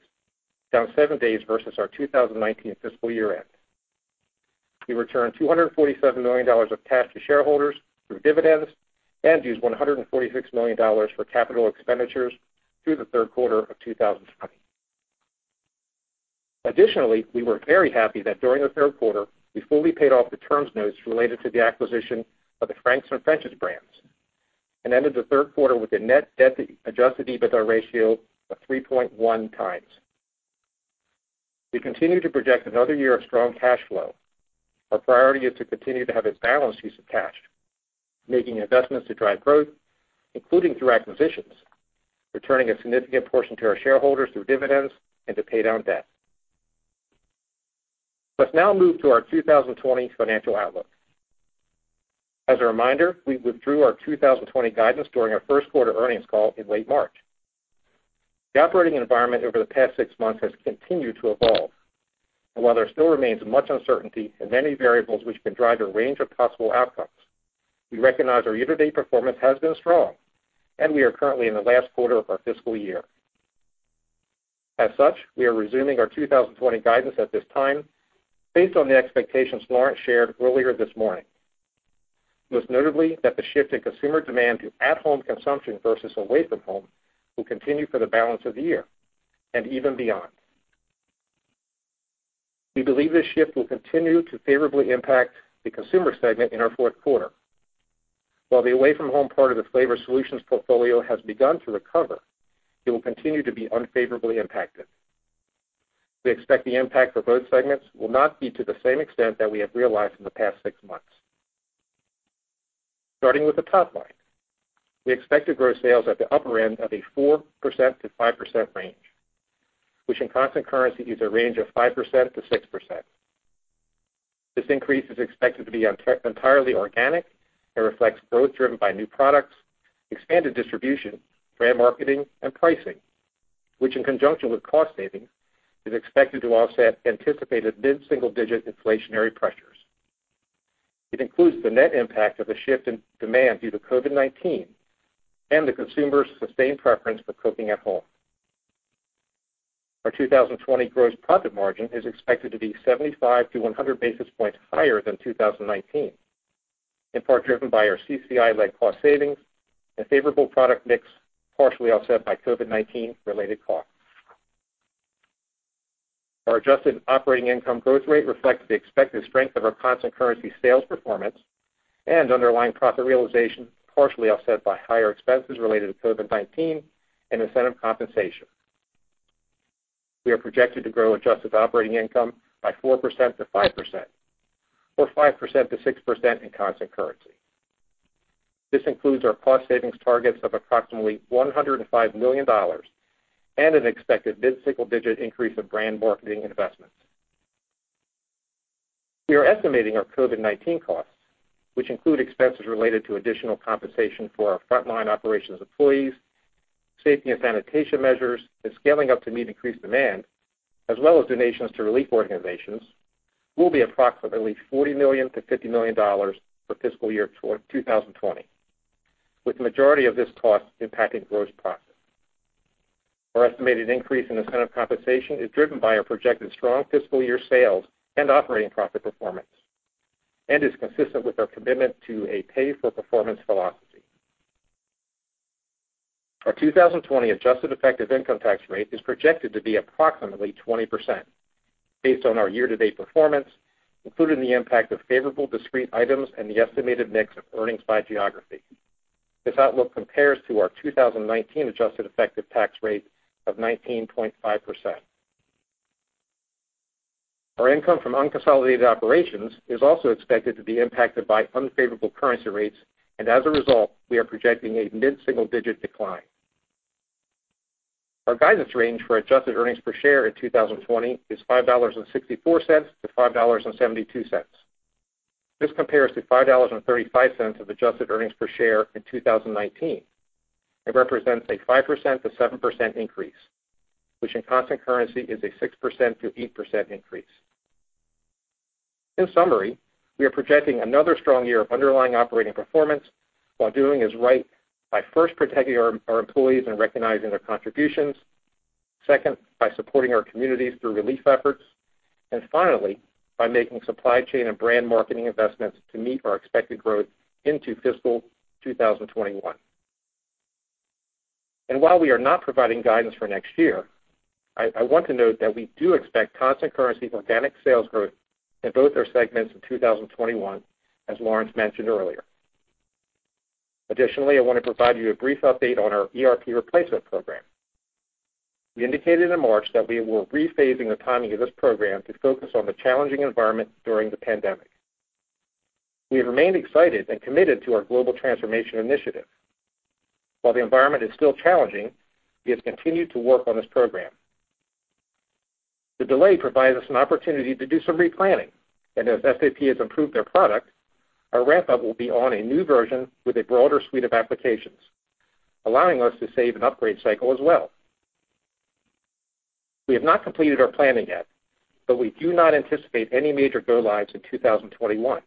down seven days versus our 2019 fiscal year-end. We returned $247 million of cash to shareholders through dividends and used $146 million for capital expenditures through the third quarter of 2020. Additionally, we were very happy that during the third quarter, we fully paid off the terms notes related to the acquisition of the Frank's and French's brands, and ended the third quarter with a net debt adjusted EBITDA ratio of 3.1x. We continue to project another year of strong cash flow. Our priority is to continue to have a balanced use of cash, making investments to drive growth, including through acquisitions, returning a significant portion to our shareholders through dividends, and to pay down debt. Let's now move to our 2020 financial outlook. As a reminder, we withdrew our 2020 guidance during our first quarter earnings call in late March. The operating environment over the past six months has continued to evolve. While there still remains much uncertainty and many variables which can drive a range of possible outcomes, we recognize our year-to-date performance has been strong, and we are currently in the last quarter of our fiscal year. As such, we are resuming our 2020 guidance at this time based on the expectations Lawrence shared earlier this morning. Most notably, that the shift in consumer demand to at-home consumption versus away from home will continue for the balance of the year and even beyond. We believe this shift will continue to favorably impact the Consumer segment in our fourth quarter. While the away from home part of the Flavor Solutions portfolio has begun to recover, it will continue to be unfavorably impacted. We expect the impact for both segments will not be to the same extent that we have realized in the past six months. Starting with the top line, we expect to grow sales at the upper end of a 4%-5% range, which in constant currency is a range of 5%-6%. This increase is expected to be entirely organic and reflects growth driven by new products, expanded distribution, brand marketing, and pricing, which in conjunction with cost saving, is expected to offset anticipated mid-single-digit inflationary pressures. It includes the net impact of the shift in demand due to COVID-19 and the consumer's sustained preference for cooking at home. Our 2020 gross profit margin is expected to be 75-100 basis points higher than 2019, in part driven by our CCI-led cost savings and favorable product mix, partially offset by COVID-19 related costs. Our adjusted operating income growth rate reflects the expected strength of our constant currency sales performance and underlying profit realization, partially offset by higher expenses related to COVID-19 and incentive compensation. We are projected to grow adjusted operating income by 4%-5%, or 5%-6% in constant currency. This includes our cost savings targets of approximately $105 million and an expected mid-single-digit increase of brand marketing investments. We are estimating our COVID-19 costs, which include expenses related to additional compensation for our frontline operations employees, safety and sanitation measures, and scaling up to meet increased demand, as well as donations to relief organizations, will be approximately $40 million-$50 million for fiscal year 2020, with the majority of this cost impacting gross profit. Our estimated increase in incentive compensation is driven by our projected strong fiscal year sales and operating profit performance and is consistent with our commitment to a pay-for-performance philosophy. Our 2020 adjusted effective income tax rate is projected to be approximately 20%, based on our year-to-date performance, including the impact of favorable discrete items and the estimated mix of earnings by geography. This outlook compares to our 2019 adjusted effective tax rate of 19.5%. Our income from unconsolidated operations is also expected to be impacted by unfavorable currency rates, and as a result, we are projecting a mid-single-digit decline. Our guidance range for adjusted earnings per share in 2020 is $5.64-$5.72. This compares to $5.35 of adjusted earnings per share in 2019 and represents a 5%-7% increase, which in constant currency is a 6%-8% increase. In summary, we are projecting another strong year of underlying operating performance while doing is right by first protecting our employees and recognizing their contributions. Second, by supporting our communities through relief efforts. Finally, by making supply chain and brand marketing investments to meet our expected growth into fiscal 2021. While we are not providing guidance for next year, I want to note that we do expect constant currency organic sales growth in both our segments in 2021, as Lawrence mentioned earlier. Additionally, I want to provide you a brief update on our ERP replacement program. We indicated in March that we were rephasing the timing of this program to focus on the challenging environment during the pandemic. We have remained excited and committed to our Global Transformation Initiative. While the environment is still challenging, we have continued to work on this program. The delay provides us an opportunity to do some replanning, and as SAP has improved their product, our ramp-up will be on a new version with a broader suite of applications, allowing us to save an upgrade cycle as well. We have not completed our planning yet, but we do not anticipate any major go-lives in 2021.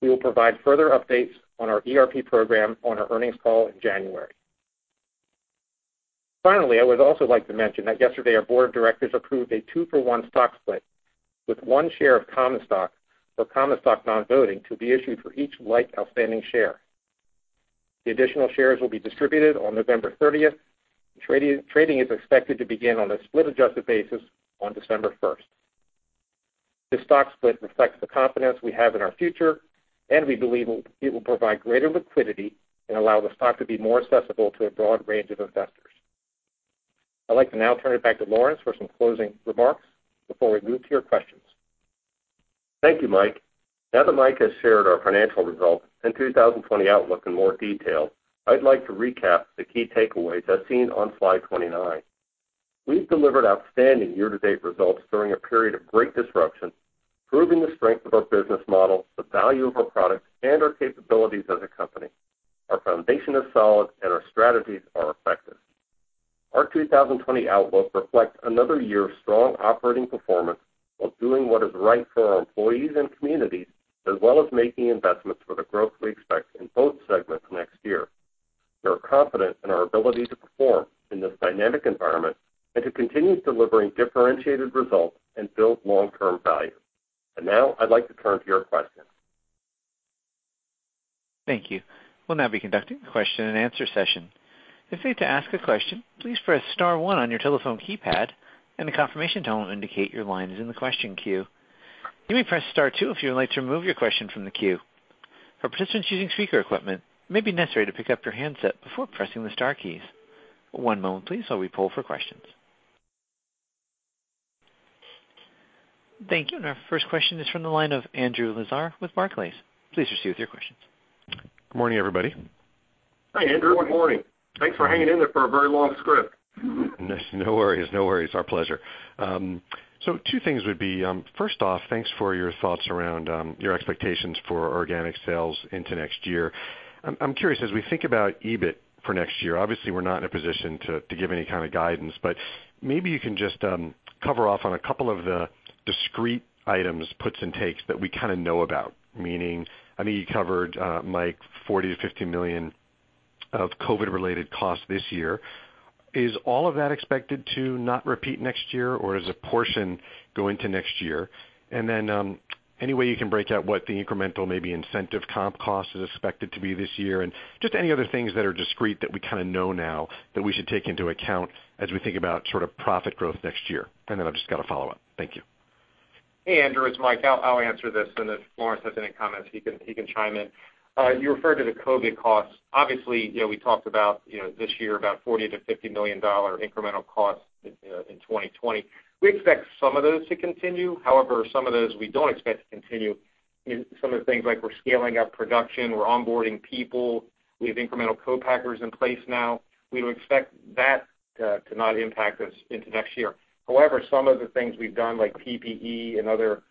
We will provide further updates on our ERP program on our earnings call in January. Finally, I would also like to mention that yesterday, our board of directors approved a two-for-one stock split with one share of common stock or common stock non-voting to be issued for each like outstanding share. The additional shares will be distributed on November 30th. Trading is expected to begin on a split-adjusted basis on December 1st. This stock split reflects the confidence we have in our future. We believe it will provide greater liquidity and allow the stock to be more accessible to a broad range of investors. I'd like to now turn it back to Lawrence for some closing remarks before we move to your questions. Thank you, Mike. Now that Mike has shared our financial results and 2020 outlook in more detail, I'd like to recap the key takeaways as seen on slide 29. We've delivered outstanding year-to-date results during a period of great disruption, proving the strength of our business model, the value of our products, and our capabilities as a company. Our foundation is solid, our strategies are effective. Our 2020 outlook reflects another year of strong operating performance while doing what is right for our employees and communities, as well as making investments for the growth we expect in both segments next year. We are confident in our ability to perform in this dynamic environment and to continue delivering differentiated results and build long-term value. Now I'd like to turn to your questions. Thank you. We'll now be conducting a question and answer session. If you're to ask a question, please press star one on your telephone keypad and the confirmation tone indicate your line is in the question queue. You may press star two if you like to remove your question from the queue. A participant using a speaker equipment, it may be necessary to pickup your handset before pressing the star key. One moment please while we pull up your questions. Thank you. Our first question is from the line of Andrew Lazar with Barclays. Please proceed with your questions. Good morning, everybody. Hi, Andrew. Good morning. Thanks for hanging in there for a very long script. No worries. Our pleasure. Two things would be, first off, thanks for your thoughts around your expectations for organic sales into next year. I'm curious, as we think about EBIT for next year, obviously we're not in a position to give any kind of guidance, but maybe you can just cover off on a couple of the discrete items, puts and takes, that we kind of know about. Meaning, I know you covered, Mike, $40 million-$50 million of COVID-related costs this year. Is all of that expected to not repeat next year, or does a portion go into next year? Then, any way you can break out what the incremental maybe incentive comp cost is expected to be this year? Just any other things that are discrete that we kind of know now that we should take into account as we think about sort of profit growth next year. Then I've just got a follow-up. Thank you. Hey, Andrew, it's Mike. I'll answer this, and if Lawrence has any comments, he can chime in. You referred to the COVID costs. Obviously, we talked about this year, about $40 million-$50 million incremental costs in 2020. We expect some of those to continue. However, some of those we don't expect to continue. Some of the things like we're scaling up production, we're onboarding people. We have incremental co-packers in place now. We would expect that to not impact us into next year. However, some of the things we've done, like PPE and other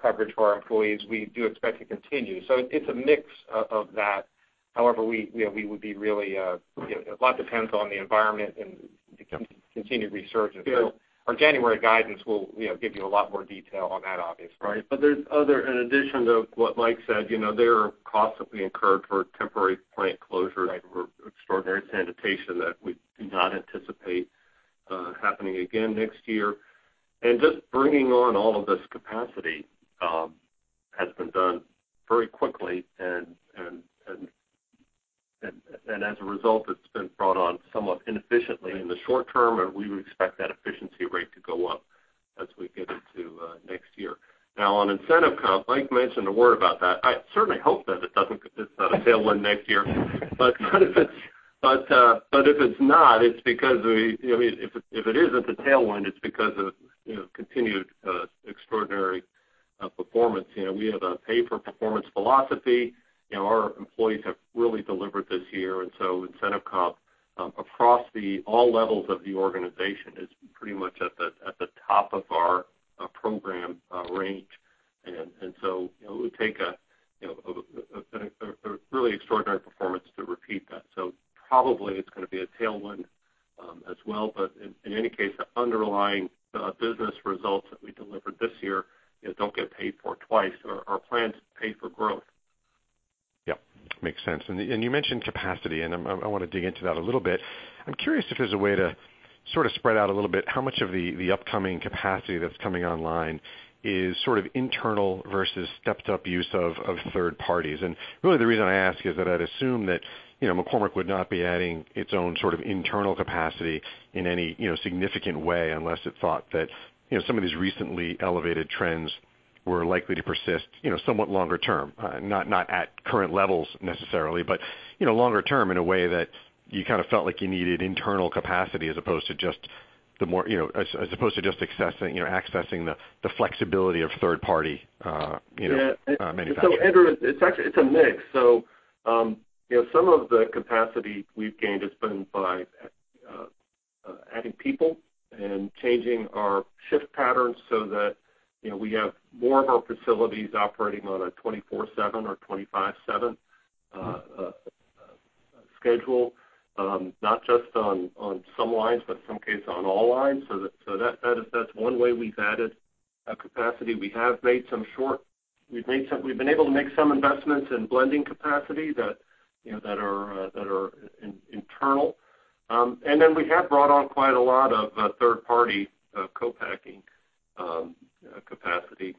coverage for our employees, we do expect to continue. It's a mix of that. However, a lot depends on the environment and the continued resurgence. Our January guidance will give you a lot more detail on that, obviously. Right. In addition to what Mike said, there are costs that we incurred for temporary plant closures or extraordinary sanitation that we do not anticipate happening again next year. Just bringing on all of this capacity has been done very quickly, and as a result, it's been brought on somewhat inefficiently in the short term, and we would expect that efficiency rate to go up as we get into next year. Now, on incentive comp, Mike mentioned a word about that. I certainly hope that it's not a tailwind next year. If it isn't a tailwind, it's because of continued extraordinary performance. We have a pay-for-performance philosophy. Our employees have really delivered this year, incentive comp across all levels of the organization is pretty much at the top of our program range. It would take a really extraordinary performance to repeat that. Probably it's going to be a tailwind as well. In any case, the underlying business results that we delivered this year don't get paid for twice. Our plan is to pay for growth. Yep, makes sense. You mentioned capacity, and I want to dig into that a little bit. I'm curious if there's a way to sort of spread out a little bit how much of the upcoming capacity that's coming online is sort of internal versus stepped-up use of third parties. Really the reason I ask is that I'd assume that McCormick would not be adding its own sort of internal capacity in any significant way unless it thought that some of these recently elevated trends were likely to persist somewhat longer term. Not at current levels necessarily, but longer term in a way that you kind of felt like you needed internal capacity as opposed to just accessing the flexibility of third party manufacturers. Andrew, it's a mix. Some of the capacity we've gained has been by adding people and changing our shift patterns so that we have more of our facilities operating on a 24/7 or 25/7 schedule. Not just on some lines, but in some cases on all lines. That's one way we've added capacity. We've been able to make some investments in blending capacity that are internal. We have brought on quite a lot of third-party co-packing capacity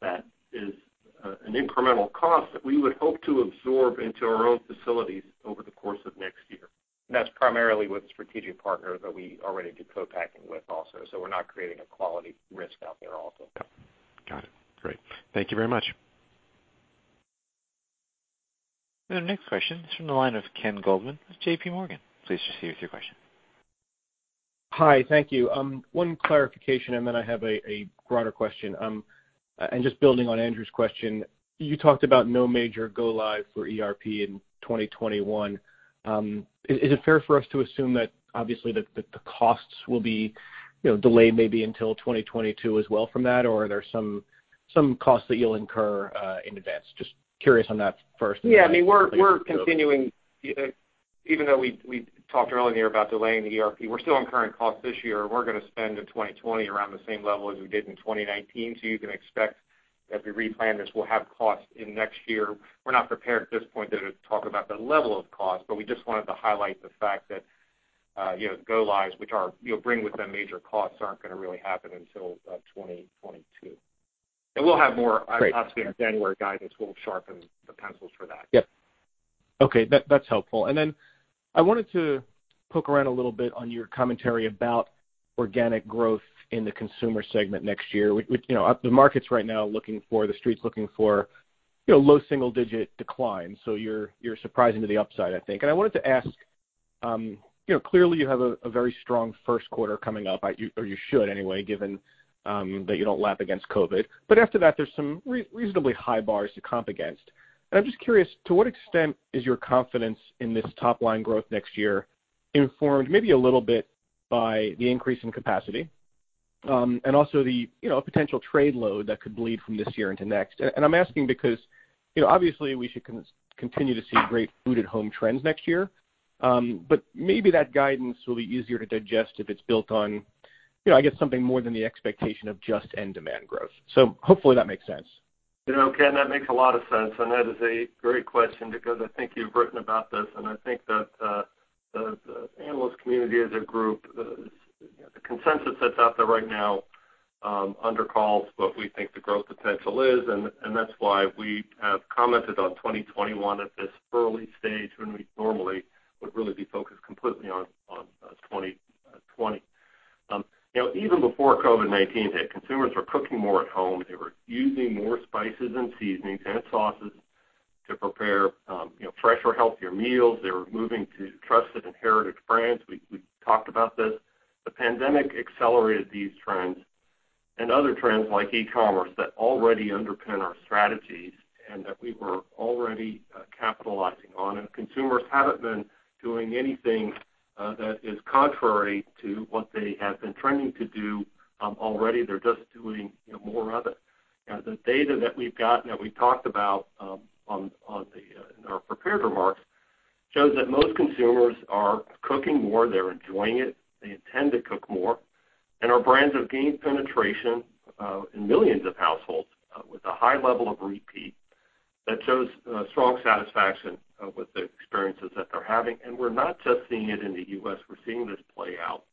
that is an incremental cost that we would hope to absorb into our own facilities over the course of next year. That's primarily with a strategic partner that we already do co-packing with also. We're not creating a quality risk out there also. Got it. Great. Thank you very much. The next question is from the line of Ken Goldman with JPMorgan. Please proceed with your question. Hi, thank you. One clarification and then I have a broader question. Just building on Andrew's question, you talked about no major go-live for ERP in 2021. Is it fair for us to assume that obviously the costs will be delayed maybe until 2022 as well from that? Or are there some costs that you'll incur in advance? Just curious on that first. We're continuing, even though we talked earlier about delaying the ERP, we're still incurring costs this year. We're going to spend in 2020 around the same level as we did in 2019. You can expect as we replan this, we'll have costs in next year. We're not prepared at this point though to talk about the level of cost. We just wanted to highlight the fact that go-lives, which bring with them major costs, aren't going to really happen until 2022. We'll have more, obviously, in our January guidance, we'll sharpen the pencils for that. Yep. Okay, that's helpful. I wanted to poke around a little bit on your commentary about organic growth in the Consumer segment next year. The market's right now looking for, the Street's looking for low-single-digit decline, so you're surprising to the upside, I think. I wanted to ask, clearly you have a very strong first quarter coming up. You should anyway, given that you don't lap against COVID-19. After that, there's some reasonably high bars to comp against. I'm just curious, to what extent is your confidence in this top-line growth next year informed maybe a little bit by the increase in capacity, and also the potential trade load that could bleed from this year into next? I'm asking because obviously we should continue to see great food at home trends next year. Maybe that guidance will be easier to digest if it's built on, I guess something more than the expectation of just end demand growth. Hopefully that makes sense. Ken, that makes a lot of sense, and that is a great question because I think you've written about this, and I think that the analyst community as a group, the consensus that's out there right now undercalls what we think the growth potential is. That's why we have commented on 2021 at this early stage when we normally would really be focused completely on 2020. Even before COVID-19 hit, consumers were cooking more at home. They were using more spices and seasonings and sauces to prepare fresher, healthier meals. They were moving to trusted and heritage brands. We talked about this. The pandemic accelerated these trends and other trends like e-commerce that already underpin our strategies and that we were already capitalizing on. Consumers haven't been doing anything that is contrary to what they had been trending to do already. They're just doing more of it. The data that we've got and that we talked about in our prepared remarks shows that most consumers are cooking more, they're enjoying it, they intend to cook more, and our brands have gained penetration in millions of households with a high level of repeat that shows strong satisfaction with the experiences that they're having. We're not just seeing it in the U.S., we're seeing this play out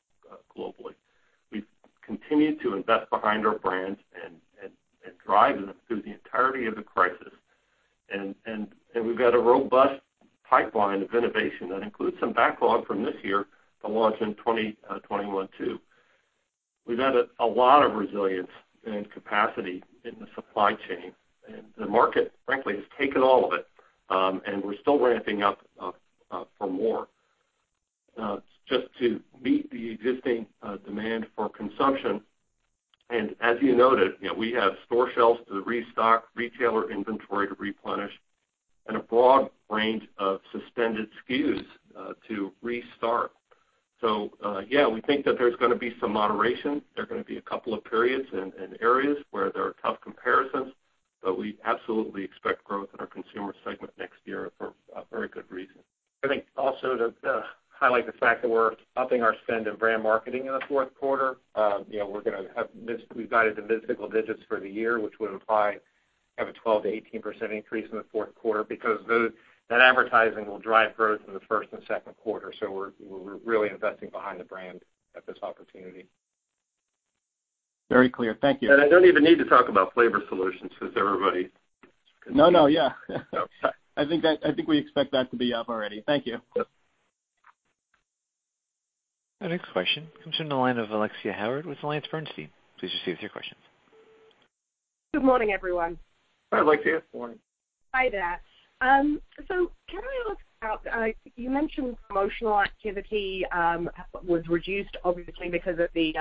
globally. We've continued to invest behind our brands and drive them through the entirety of the crisis. We've got a robust pipeline of innovation that includes some backlog from this year to launch in 2021 too. We've added a lot of resilience and capacity in the supply chain, and the market, frankly, has taken all of it, and we're still ramping up for more. Just to meet the existing demand for consumption, and as you noted, we have store shelves to restock, retailer inventory to replenish, and a broad range of suspended SKUs to restart. Yeah, we think that there's gonna be some moderation. There are gonna be a couple of periods and areas where there are tough comparisons, but we absolutely expect growth in our Consumer segment next year for very good reasons. I think also to highlight the fact that we're upping our spend in brand marketing in the fourth quarter. We've guided to mid-single digits for the year, which would imply we have a 12%-18% increase in the fourth quarter because that advertising will drive growth in the first and second quarter. We're really investing behind the brand at this opportunity. Very clear. Thank you. I don't even need to talk about Flavor Solutions with everybody. No, yeah. Okay. I think we expect that to be up already. Thank you. Yep. Our next question comes from the line of Alexia Howard with AllianceBernstein. Please proceed with your question. Good morning, everyone. Hi, Alexia. Good morning. Hi there. Can I ask about, you mentioned promotional activity was reduced obviously because of the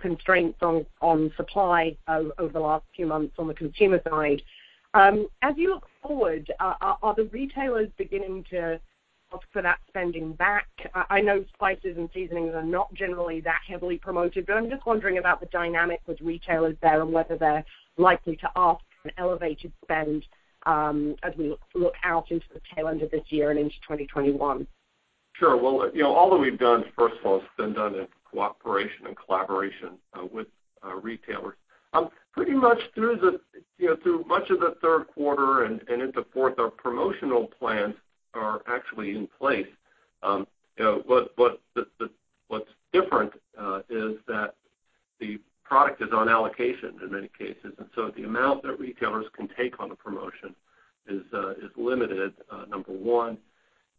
constraints on supply over the last few months on the consumer side. As you look forward, are the retailers beginning to ask for that spending back? I know spices and seasonings are not generally that heavily promoted, but I'm just wondering about the dynamic with retailers there and whether they're likely to ask for an elevated spend as we look out into the tail end of this year and into 2021. Sure. Well, all that we've done, first of all, has been done in cooperation and collaboration with retailers. Pretty much through much of the third quarter and into fourth, our promotional plans are actually in place. What's different is that the product is on allocation in many cases, the amount that retailers can take on a promotion is limited, number one.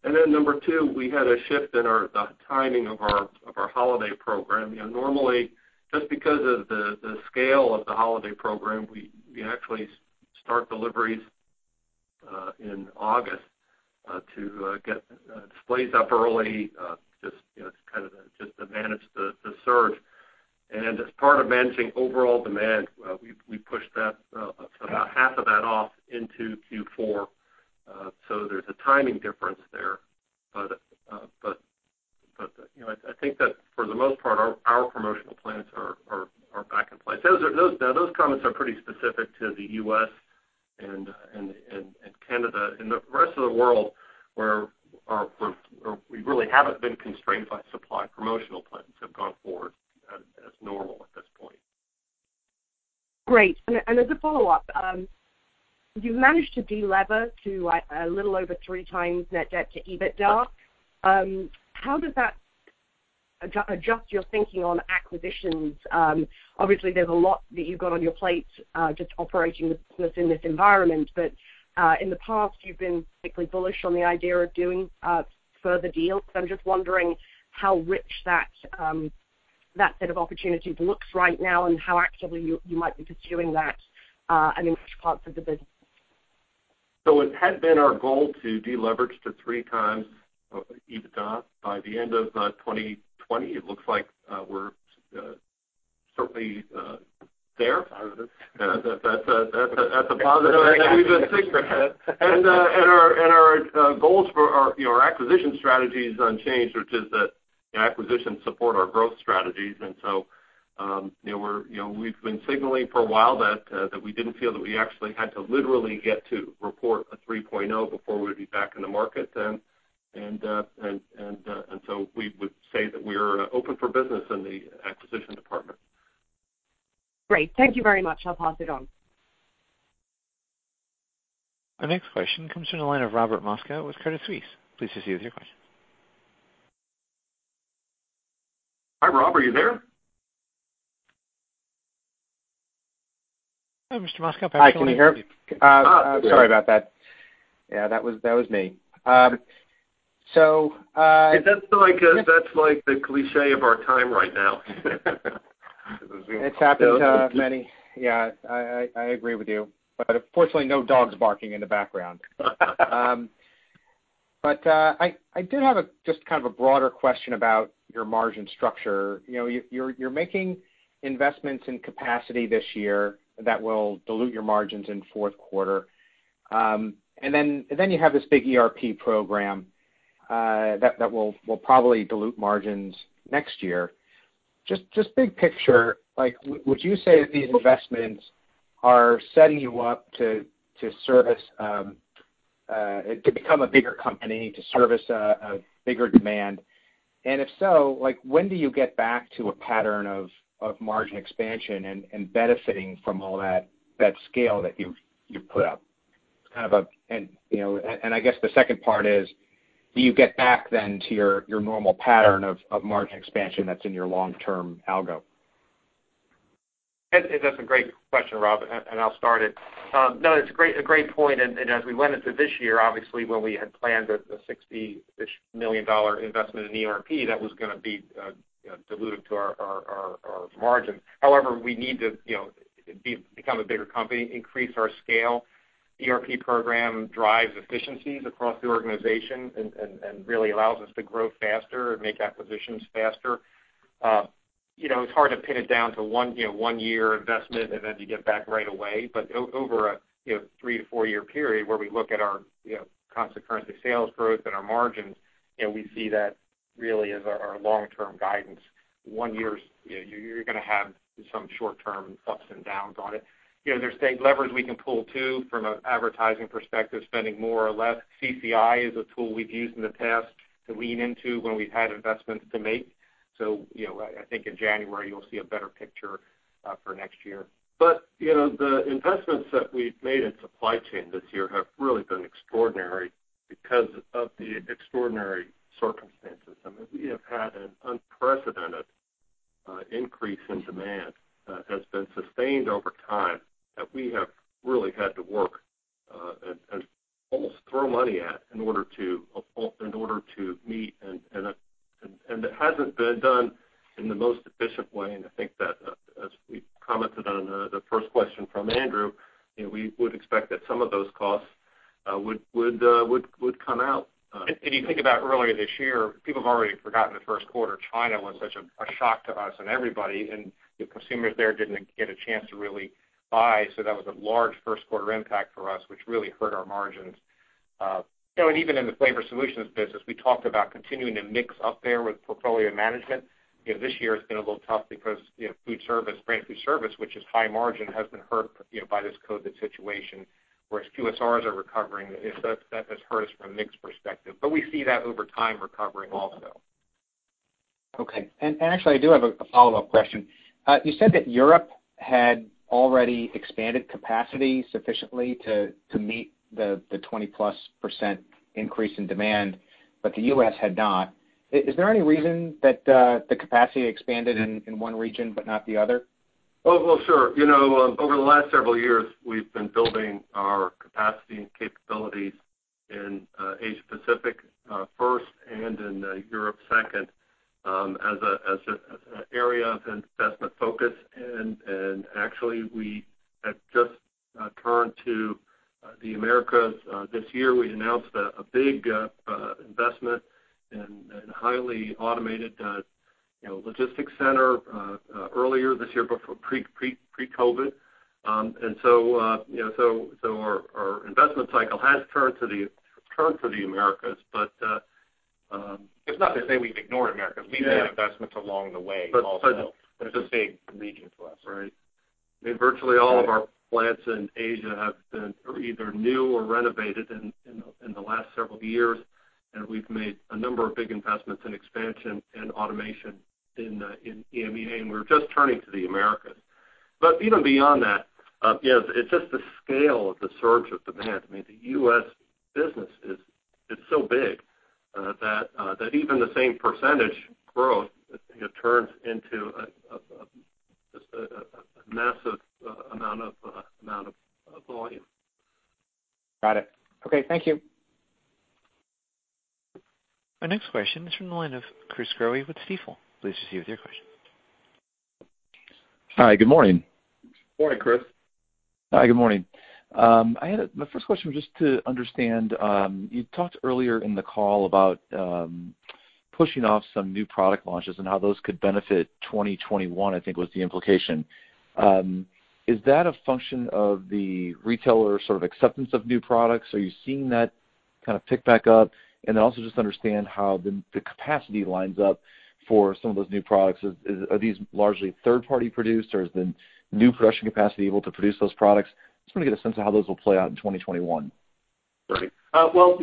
Number two, we had a shift in the timing of our holiday program. Normally, just because of the scale of the holiday program, we actually start deliveries in August to get displays up early, just to manage the surge. As part of managing overall demand, we pushed about half of that off into Q4, there's a timing difference there. I think that for the most part, our promotional plans are back in place. Those comments are pretty specific to the U.S. and Canada. In the rest of the world, where we really haven't been constrained by supply, promotional plans have gone forward as normal at this point. Great. As a follow-up, you've managed to de-lever to a little over 3x net debt to EBITDA. How does that adjust your thinking on acquisitions? Obviously, there's a lot that you've got on your plate just operating the business in this environment. In the past, you've been particularly bullish on the idea of doing further deals. I'm just wondering how rich that set of opportunities looks right now and how actively you might be pursuing that and in which parts of the business. It had been our goal to de-leverage to 3x EBITDA by the end of 2020. It looks like we're certainly there. Positive. That's a positive. We've been sticking with it. Our goals for our acquisition strategy is unchanged, which is that acquisitions support our growth strategies. We've been signaling for a while that we didn't feel that we actually had to literally get to report a 3.0 before we'd be back in the market. We would say that we're open for business in the acquisition department. Great. Thank you very much. I'll pass it on. Our next question comes from the line of Robert Moskow with Credit Suisse. Please proceed with your question. Hi, Rob. Are you there? Hi, Mr. Moskow. Hi, can you hear me? Sorry about that. Yeah, that was me. That's like the cliche of our time right now. It's happened to many. Yeah, I agree with you, but fortunately, no dogs barking in the background. I did have just a broader question about your margin structure. You're making investments in capacity this year that will dilute your margins in fourth quarter. Then you have this big ERP program that will probably dilute margins next year. Just big picture, would you say that these investments are setting you up to become a bigger company, to service a bigger demand? If so, when do you get back to a pattern of margin expansion and benefiting from all that scale that you've put up? I guess the second part is, do you get back then to your normal pattern of margin expansion that's in your long-term algo? That's a great question, Rob, and I'll start it. No, it's a great point. As we went into this year, obviously when we had planned the $60-ish million investment in ERP, that was gonna be dilutive to our margin. However, we need to become a bigger company, increase our scale. ERP program drives efficiencies across the organization and really allows us to grow faster and make acquisitions faster. It's hard to pin it down to one year investment and then you get back right away. Over a three to four-year period where we look at our constant currency sales growth and our margins, we see that really as our long-term guidance. One year, you're gonna have some short-term ups and downs on it. There's levers we can pull, too, from an advertising perspective, spending more or less. CCI is a tool we've used in the past to lean into when we've had investments to make. I think in January you'll see a better picture for next year. The investments that we've made in supply chain this year have really been extraordinary because of the extraordinary circumstances. We have had an unprecedented increase in demand that has been sustained over time that we have really had to work and almost throw money at in order to meet, and it hasn't been done in the most efficient way. I think that as we commented on the first question from Andrew, we would expect that some of those costs would come out. You think about earlier this year, people have already forgotten the first quarter. China was such a shock to us and everybody, and the consumers there didn't get a chance to really buy. That was a large first quarter impact for us, which really hurt our margins. Even in the Flavor Solutions business, we talked about continuing to mix up there with portfolio management. This year has been a little tough because food service, brand food service, which is high margin, has been hurt by this COVID situation, whereas QSRs are recovering. That has hurt us from a mix perspective. We see that over time recovering also. Okay. Actually, I do have a follow-up question. You said that Europe had already expanded capacity sufficiently to meet the 20-plus% increase in demand, but the U.S. had not. Is there any reason that the capacity expanded in one region but not the other? Well, sure. Over the last several years, we've been building our capacity and capabilities in Asia Pacific first and in Europe second as an area of investment focus. Actually, we have just turned to the Americas this year. We announced a big investment in a highly automated logistics center earlier this year pre-COVID. Our investment cycle has turned to the Americas. It's not to say we've ignored Americas. Yeah. We've made investments along the way. Also, it's a big region for us. Right. I mean, virtually all of our plants in Asia have been either new or renovated in the last several years, and we've made a number of big investments in expansion and automation in EMEA, and we're just turning to the Americas. Even beyond that, yes, it's just the scale of the surge of demand. I mean, the U.S. business is so big that even the same percentage growth, it turns into just a massive amount of volume. Got it. Okay. Thank you. Our next question is from the line of Chris Growe with Stifel. Please proceed with your question. Hi, good morning. Morning, Chris. Hi, good morning. My first question was just to understand, you talked earlier in the call about pushing off some new product launches and how those could benefit 2021, I think was the implication. Is that a function of the retailer sort of acceptance of new products? Are you seeing that kind of pick back up? Also just understand how the capacity lines up for some of those new products. Are these largely third-party produced, or is the new production capacity able to produce those products? I just want to get a sense of how those will play out in 2021. Right. Well,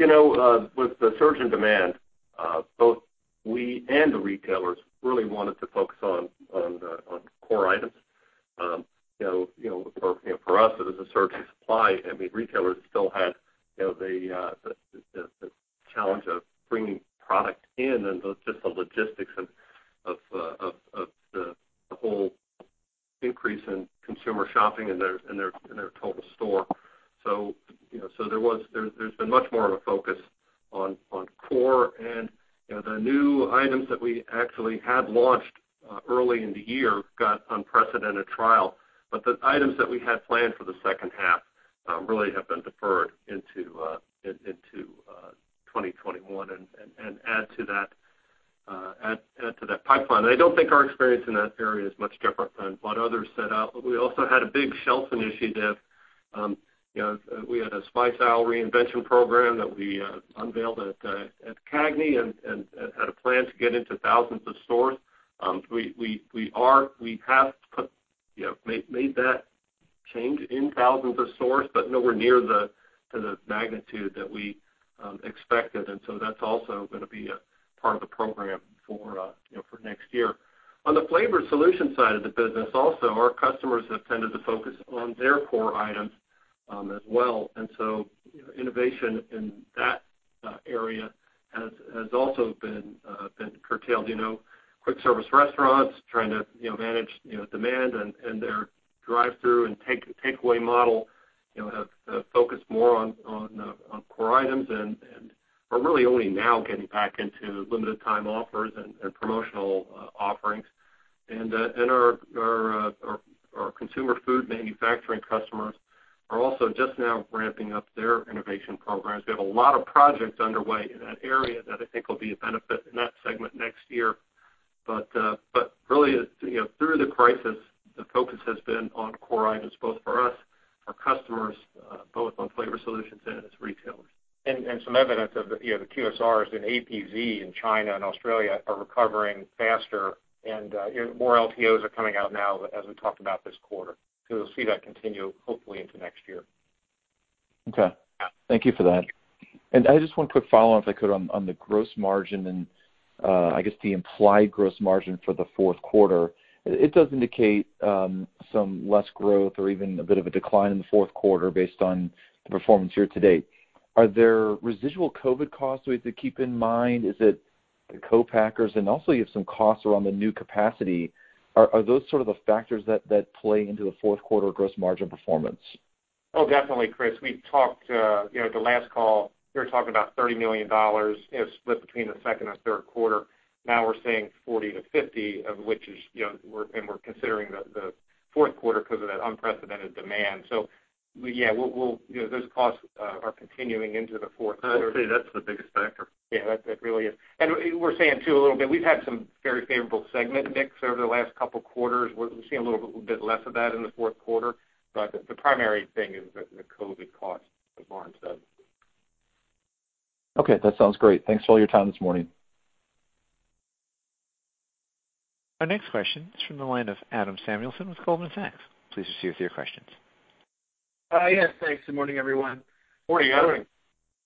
with the surge in demand, both we and the retailers really wanted to focus on core items. For us, it was a surge in supply. I mean, retailers still had the challenge of bringing product in and just the logistics of the whole increase in consumer shopping in their total store. There's been much more of a focus on core. The new items that we actually had launched early in the year got unprecedented trial. The items that we had planned for the second half really have been deferred into 2021 and add to that pipeline. I don't think our experience in that area is much different than what others set out. We also had a big shelf initiative. We had a spice aisle reinvention program that we unveiled at CAGNY and had a plan to get into thousands of stores. We have made that change in thousands of stores, but nowhere near to the magnitude that we expected. That's also going to be a part of the program for next year. On the flavor solution side of the business also, our customers have tended to focus on their core items as well. Innovation in that area has also been curtailed. Quick service restaurants trying to manage demand and their drive-through and takeaway model have focused more on core items and are really only now getting back into limited time offers and promotional offerings. Our consumer food manufacturing customers are also just now ramping up their innovation programs. We have a lot of projects underway in that area that I think will be a benefit in that segment next year. Really, through the crisis, the focus has been on core items, both for us, our customers, both on Flavor Solutions and it's retail. Some evidence of the QSRs and APZ in China and Australia are recovering faster and more LTOs are coming out now, as we talked about this quarter. We'll see that continue, hopefully, into next year. Okay. Thank you for that. I just one quick follow-on, if I could, on the gross margin and I guess the implied gross margin for the fourth quarter. It does indicate some less growth or even a bit of a decline in the fourth quarter based on the performance year to date. Are there residual COVID costs we have to keep in mind? Is it the co-packers? Also you have some costs around the new capacity. Are those sort of the factors that play into the fourth quarter gross margin performance? Definitely, Chris. We talked, the last call, we were talking about $30 million split between the second and third quarter. Now we're saying $40 million-$50 million, and we're considering the fourth quarter because of that unprecedented demand. Yeah, those costs are continuing into the fourth quarter. I'd say that's the biggest factor. Yeah, that really is. We're saying, too, a little bit, we've had some very favorable segment mix over the last couple of quarters. We're seeing a little bit less of that in the fourth quarter. The primary thing is the COVID cost, as Lawrence said. Okay, that sounds great. Thanks for all your time this morning. Our next question is from the line of Adam Samuelson with Goldman Sachs. Please proceed with your questions. Yes, thanks. Good morning, everyone. Morning, Adam.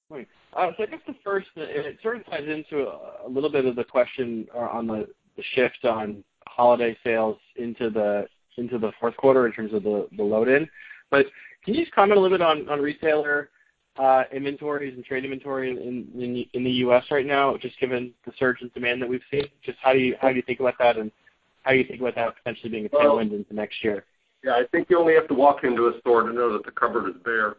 Morning. I guess the first, it sort of ties into a little bit of the question on the shift on holiday sales into the fourth quarter in terms of the load in. Can you just comment a little bit on retailer inventories and trade inventory in the U.S. right now, just given the surge in demand that we've seen? How do you think about that and how you think about that potentially being a tailwind into next year? Yeah, I think you only have to walk into a store to know that the cupboard is bare.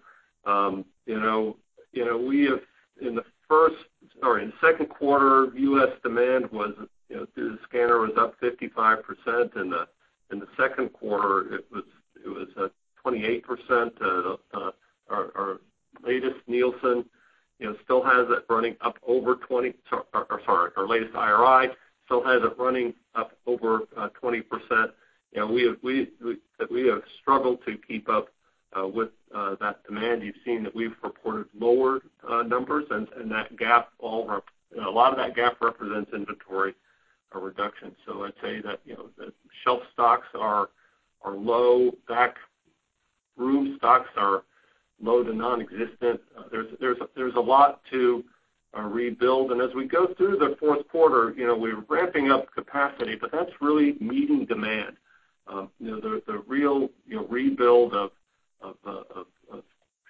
In the second quarter, U.S. demand was, the scanner was up 55%, in the second quarter it was at 28%, our latest IRI still has it running up over 20%. We have struggled to keep up with that demand. You've seen that we've reported lower numbers, a lot of that gap represents inventory reduction. I'd say that the shelf stocks are low, backroom stocks are low to non-existent. There's a lot to rebuild. As we go through the fourth quarter, we're ramping up capacity, but that's really meeting demand. The real rebuild of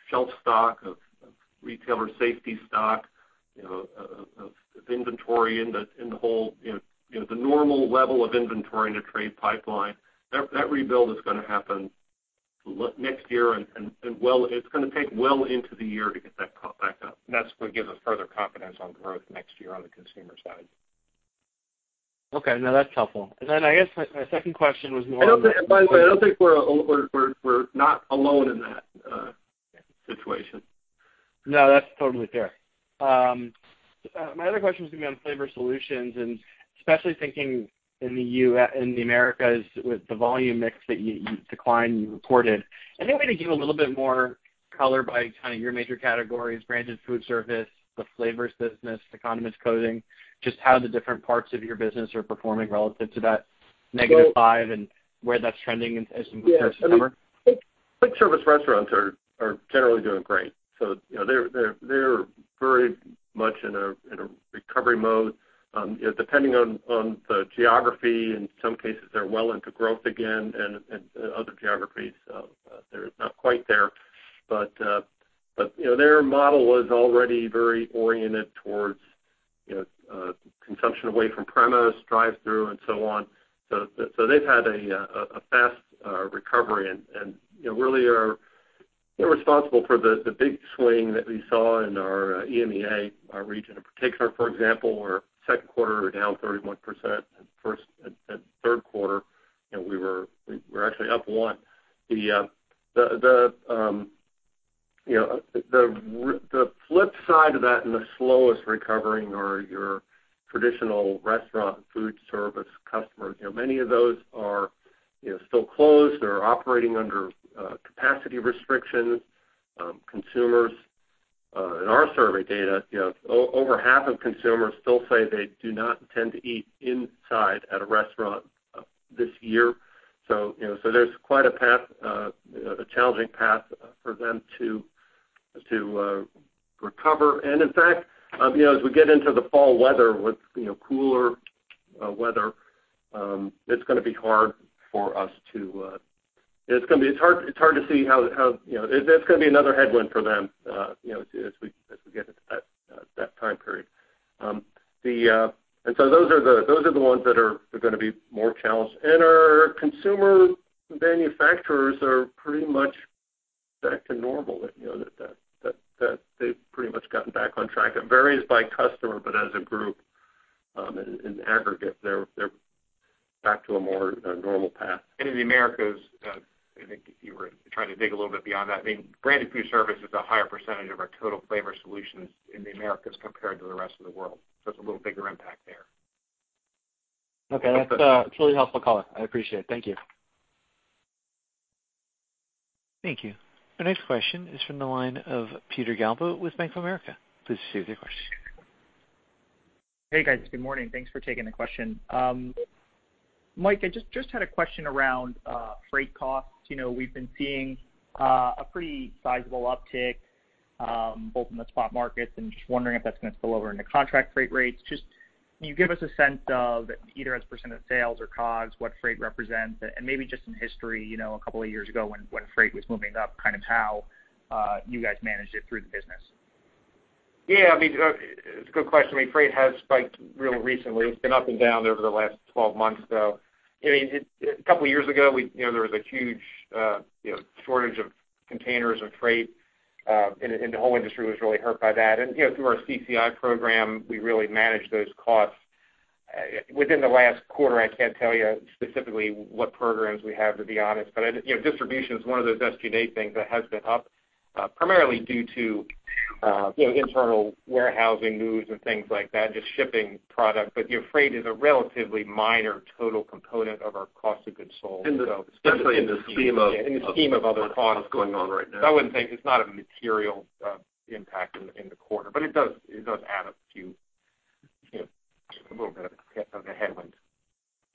shelf stock, of retailer safety stock, of inventory in the normal level of inventory in a trade pipeline, that rebuild is gonna happen next year, and it's gonna take well into the year to get that caught back up. That's what gives us further confidence on growth next year on the consumer side. Okay. No, that's helpful. I guess my second question was more on. By the way, I don't think we're not alone in that situation. No, that's totally fair. My other question was gonna be on Flavor Solutions and especially thinking in the Americas with the volume mix decline you reported. Any way to give a little bit more color by kind of your major categories, branded food service, the flavors business, the condiments coating, just how the different parts of your business are performing relative to that negative five and where that's trending as we move through the summer? Yeah. Quick service restaurants are generally doing great, so they're very much in a recovery mode. Depending on the geography, in some cases, they're well into growth again, and other geographies, they're not quite there. Their model was already very oriented towards consumption away from premise, drive-through and so on. They've had a fast recovery and really are responsible for the big swing that we saw in our EMEA region in particular. For example, our second quarter down 31%, at third quarter, we're actually up 1%. The flip side of that and the slowest recovering are your traditional restaurant food service customers. Many of those are still closed or operating under capacity restrictions. Consumers in our survey data, over half of consumers still say they do not intend to eat inside at a restaurant this year. There's quite a challenging path for them to recover. In fact, as we get into the fall weather, with cooler weather, it's hard to see how that's gonna be another headwind for them as we get into that time period. Those are the ones that are gonna be more challenged. Our consumer manufacturers are pretty much back to normal. They've pretty much gotten back on track. It varies by customer, but as a group, in aggregate, they're back to a more normal path. In the Americas, I think you were trying to dig a little bit beyond that. I mean, branded food service is a higher percentage of our total Flavor Solutions in the Americas compared to the rest of the world. It's a little bigger impact there. Okay. That's a really helpful color. I appreciate it. Thank you. Thank you. Our next question is from the line of Peter Galbo with Bank of America. Please proceed with your question. Hey, guys. Good morning. Thanks for taking the question. Mike, I just had a question around freight costs. We've been seeing a pretty sizable uptick both in the spot markets and just wondering if that's gonna spill over into contract freight rates. Just, can you give us a sense of, either as a % of sales or COGS, what freight represents and maybe just some history, a couple of years ago when freight was moving up, kind of how you guys managed it through the business? Yeah, it's a good question. Freight has spiked real recently. It's been up and down over the last 12 months, though. A couple of years ago, there was a huge shortage of containers of freight, and the whole industry was really hurt by that. Through our CCI program, we really managed those costs. Within the last quarter, I can't tell you specifically what programs we have, to be honest. Distribution is one of those SG&A things that has been up, primarily due to internal warehousing moves and things like that, just shipping product. Your freight is a relatively minor total component of our cost of goods sold. Especially in the scheme of. Yeah, in the scheme of other costs. What's going on right now. I wouldn't think it's not a material impact in the quarter. It does add up to a little bit of a headwind.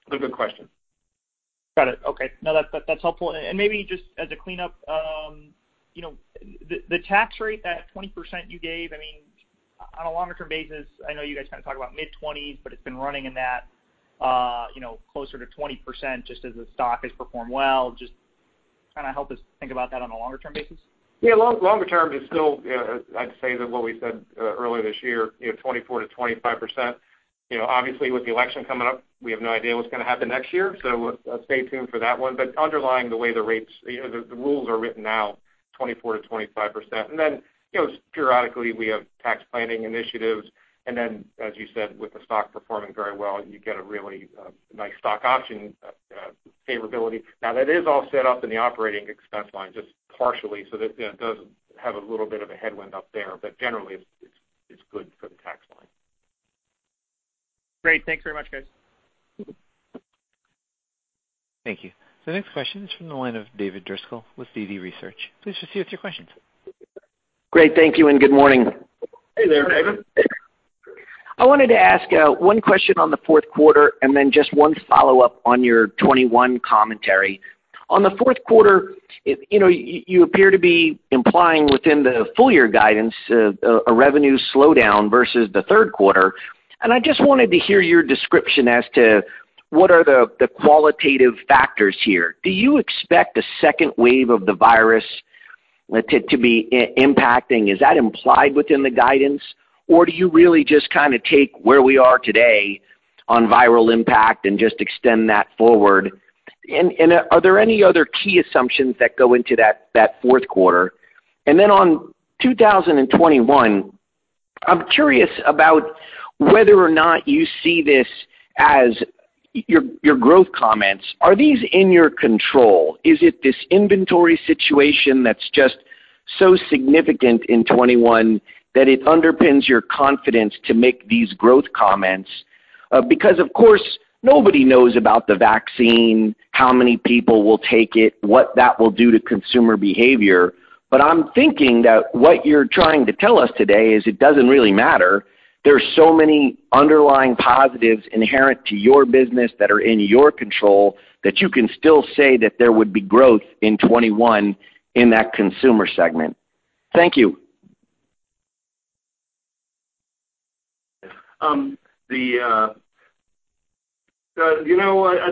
It's a good question. Got it. Okay. No, that's helpful. Maybe just as a cleanup, the tax rate, that 20% you gave, on a longer-term basis, I know you guys kind of talk about mid-20s, but it's been running in that closer to 20%, just as the stock has performed well. Kind of help us think about that on a longer-term basis? Yeah, longer term is still, I'd say that what we said earlier this year, 24%-25%. Obviously, with the election coming up, we have no idea what's going to happen next year, stay tuned for that one. Underlying the way the rates, the rules are written now, 24%-25%. Periodically we have tax planning initiatives. As you said, with the stock performing very well, you get a really nice stock option favorability. Now, that is all set up in the operating expense line, just partially so that it does have a little bit of a headwind up there, but generally it's good for the tax line. Great. Thanks very much, guys. Thank you. The next question is from the line of David Driscoll with DD Research. Please proceed with your questions. Great. Thank you, and good morning. Hey there, David. I wanted to ask one question on the fourth quarter, and then just one follow-up on your 2021 commentary. On the fourth quarter, you appear to be implying within the full year guidance a revenue slowdown versus the third quarter. I just wanted to hear your description as to what are the qualitative factors here. Do you expect a second wave of the virus to be impacting? Is that implied within the guidance, or do you really just take where we are today on viral impact and just extend that forward? Are there any other key assumptions that go into that fourth quarter? On 2021, I'm curious about whether or not you see this as your growth comments. Are these in your control? Is it this inventory situation that's just so significant in 2021 that it underpins your confidence to make these growth comments? Of course, nobody knows about the vaccine, how many people will take it, what that will do to consumer behavior. I'm thinking that what you're trying to tell us today is it doesn't really matter. There are so many underlying positives inherent to your business that are in your control that you can still say that there would be growth in 2021 in that Consumer segment. Thank you. I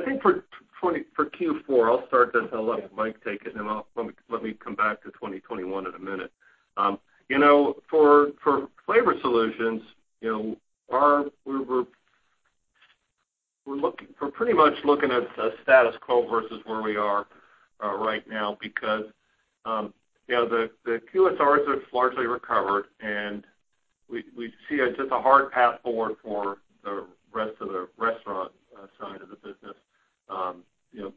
think for Q4, I'll start this and I'll let Mike take it, and let me come back to 2021 in a minute. For Flavor Solutions, we're pretty much looking at status quo versus where we are right now because the QSRs have largely recovered, and we see it's just a hard path forward for the rest of the restaurant side of the business.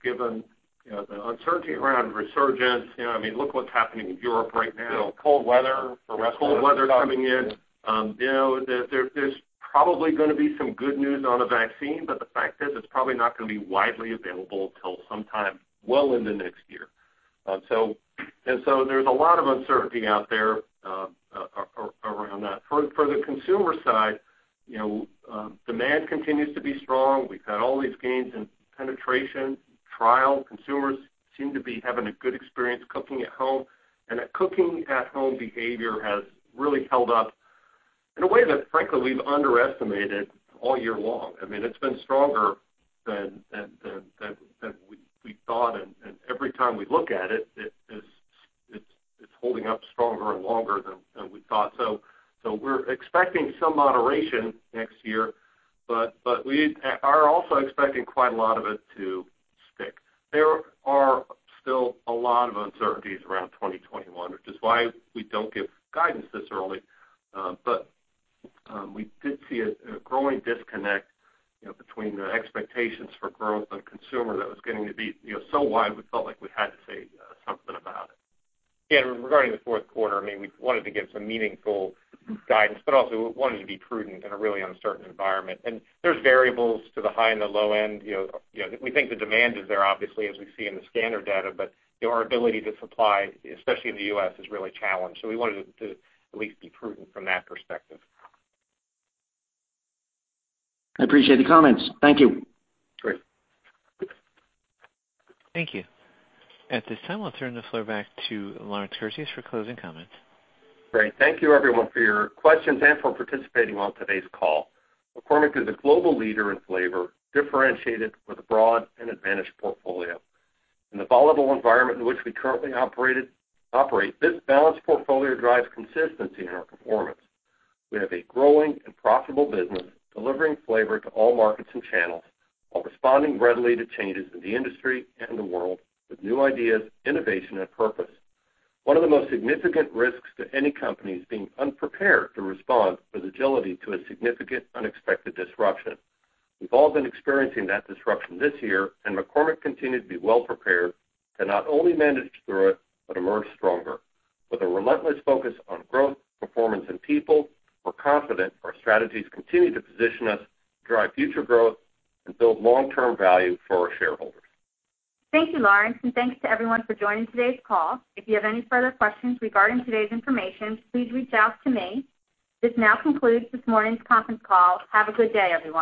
Given the uncertainty around resurgence, look what's happening in Europe right now. Cold weather for restaurants. Cold weather coming in. There's probably gonna be some good news on a vaccine, but the fact is, it's probably not gonna be widely available till sometime well in the next year. There's a lot of uncertainty out there around that. For the consumer side, demand continues to be strong. We've had all these gains in penetration, trial. Consumers seem to be having a good experience cooking at home, and that cooking at home behavior has really held up in a way that, frankly, we've underestimated all year long. It's been stronger than we thought, and every time we look at it's holding up stronger and longer than we thought. We're expecting some moderation next year, but we are also expecting quite a lot of it to stick. There are still a lot of uncertainties around 2021, which is why we don't give guidance this early. We did see a growing disconnect between the expectations for growth on consumer that was getting to be so wide, we felt like we had to say something about it. Yeah, regarding the fourth quarter, we wanted to give some meaningful guidance, but also we wanted to be prudent in a really uncertain environment. There's variables to the high and the low end. We think the demand is there, obviously, as we see in the scanner data, but our ability to supply, especially in the U.S., is really challenged. We wanted to at least be prudent from that perspective. I appreciate the comments. Thank you. Great. Thank you. At this time, I'll turn the floor back to Lawrence Kurzius for closing comments. Great. Thank you everyone for your questions and for participating on today's call. McCormick is a global leader in flavor, differentiated with a broad and advantaged portfolio. In the volatile environment in which we currently operate, this balanced portfolio drives consistency in our performance. We have a growing and profitable business delivering flavor to all markets and channels while responding readily to changes in the industry and the world with new ideas, innovation, and purpose. One of the most significant risks to any company is being unprepared to respond with agility to a significant unexpected disruption. We've all been experiencing that disruption this year. McCormick continued to be well prepared to not only manage through it, but emerge stronger. With a relentless focus on growth, performance, and people, we're confident our strategies continue to position us to drive future growth and build long-term value for our shareholders. Thank you, Lawrence, and thanks to everyone for joining today's call. If you have any further questions regarding today's information, please reach out to me. This now concludes this morning's conference call. Have a good day, everyone.